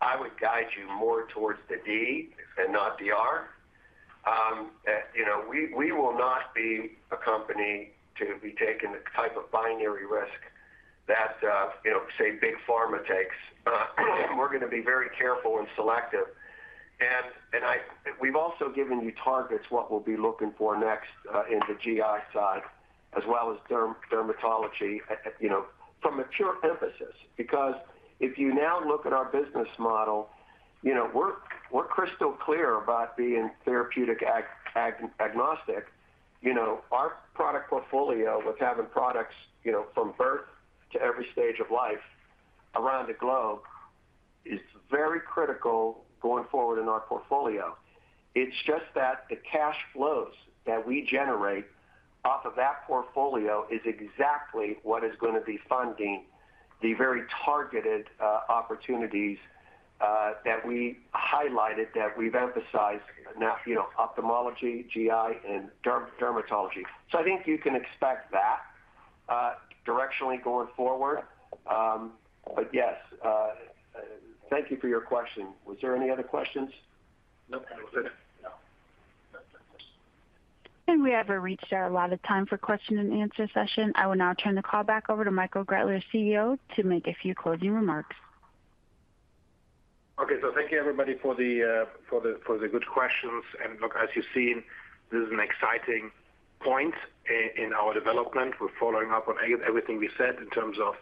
I would guide you more towards the D and not the R. You know, we will not be a company to be taking the type of binary risk that, you know, say big pharma takes. We're gonna be very careful and selective. We've also given you targets what we'll be looking for next, in the GI side as well as dermatology, you know, from a pure emphasis. Because if you now look at our business model, you know, we're crystal clear about being therapeutic agnostic. You know, our product portfolio with having products, you know, from birth to every stage of life around the globe is very critical going forward in our portfolio. It's just that the cash flows that we generate off of that portfolio is exactly what is gonna be funding the very targeted opportunities that we highlighted, that we've emphasized now, you know, ophthalmology, GI, and dermatology. I think you can expect that directionally going forward. Yes, thank you for your question. Was there any other questions? Nope. That was it. No. We have reached our allotted time for question and answer session. I will now turn the call back over to Michael Goettler, CEO, to make a few closing remarks. Okay. Thank you everybody for the good questions. Look, as you've seen, this is an exciting point in our development. We're following up on everything we said in terms of,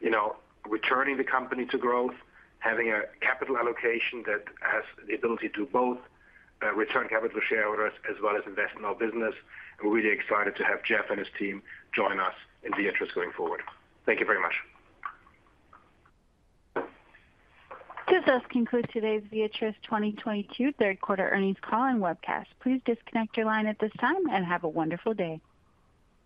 you know, returning the company to growth, having a capital allocation that has the ability to both return capital to shareholders as well as invest in our business. We're really excited to have Jeff and his team join us in Viatris going forward. Thank you very much. This does conclude today's Viatris 2022 third quarter earnings call and webcast. Please disconnect your line at this time, and have a wonderful day.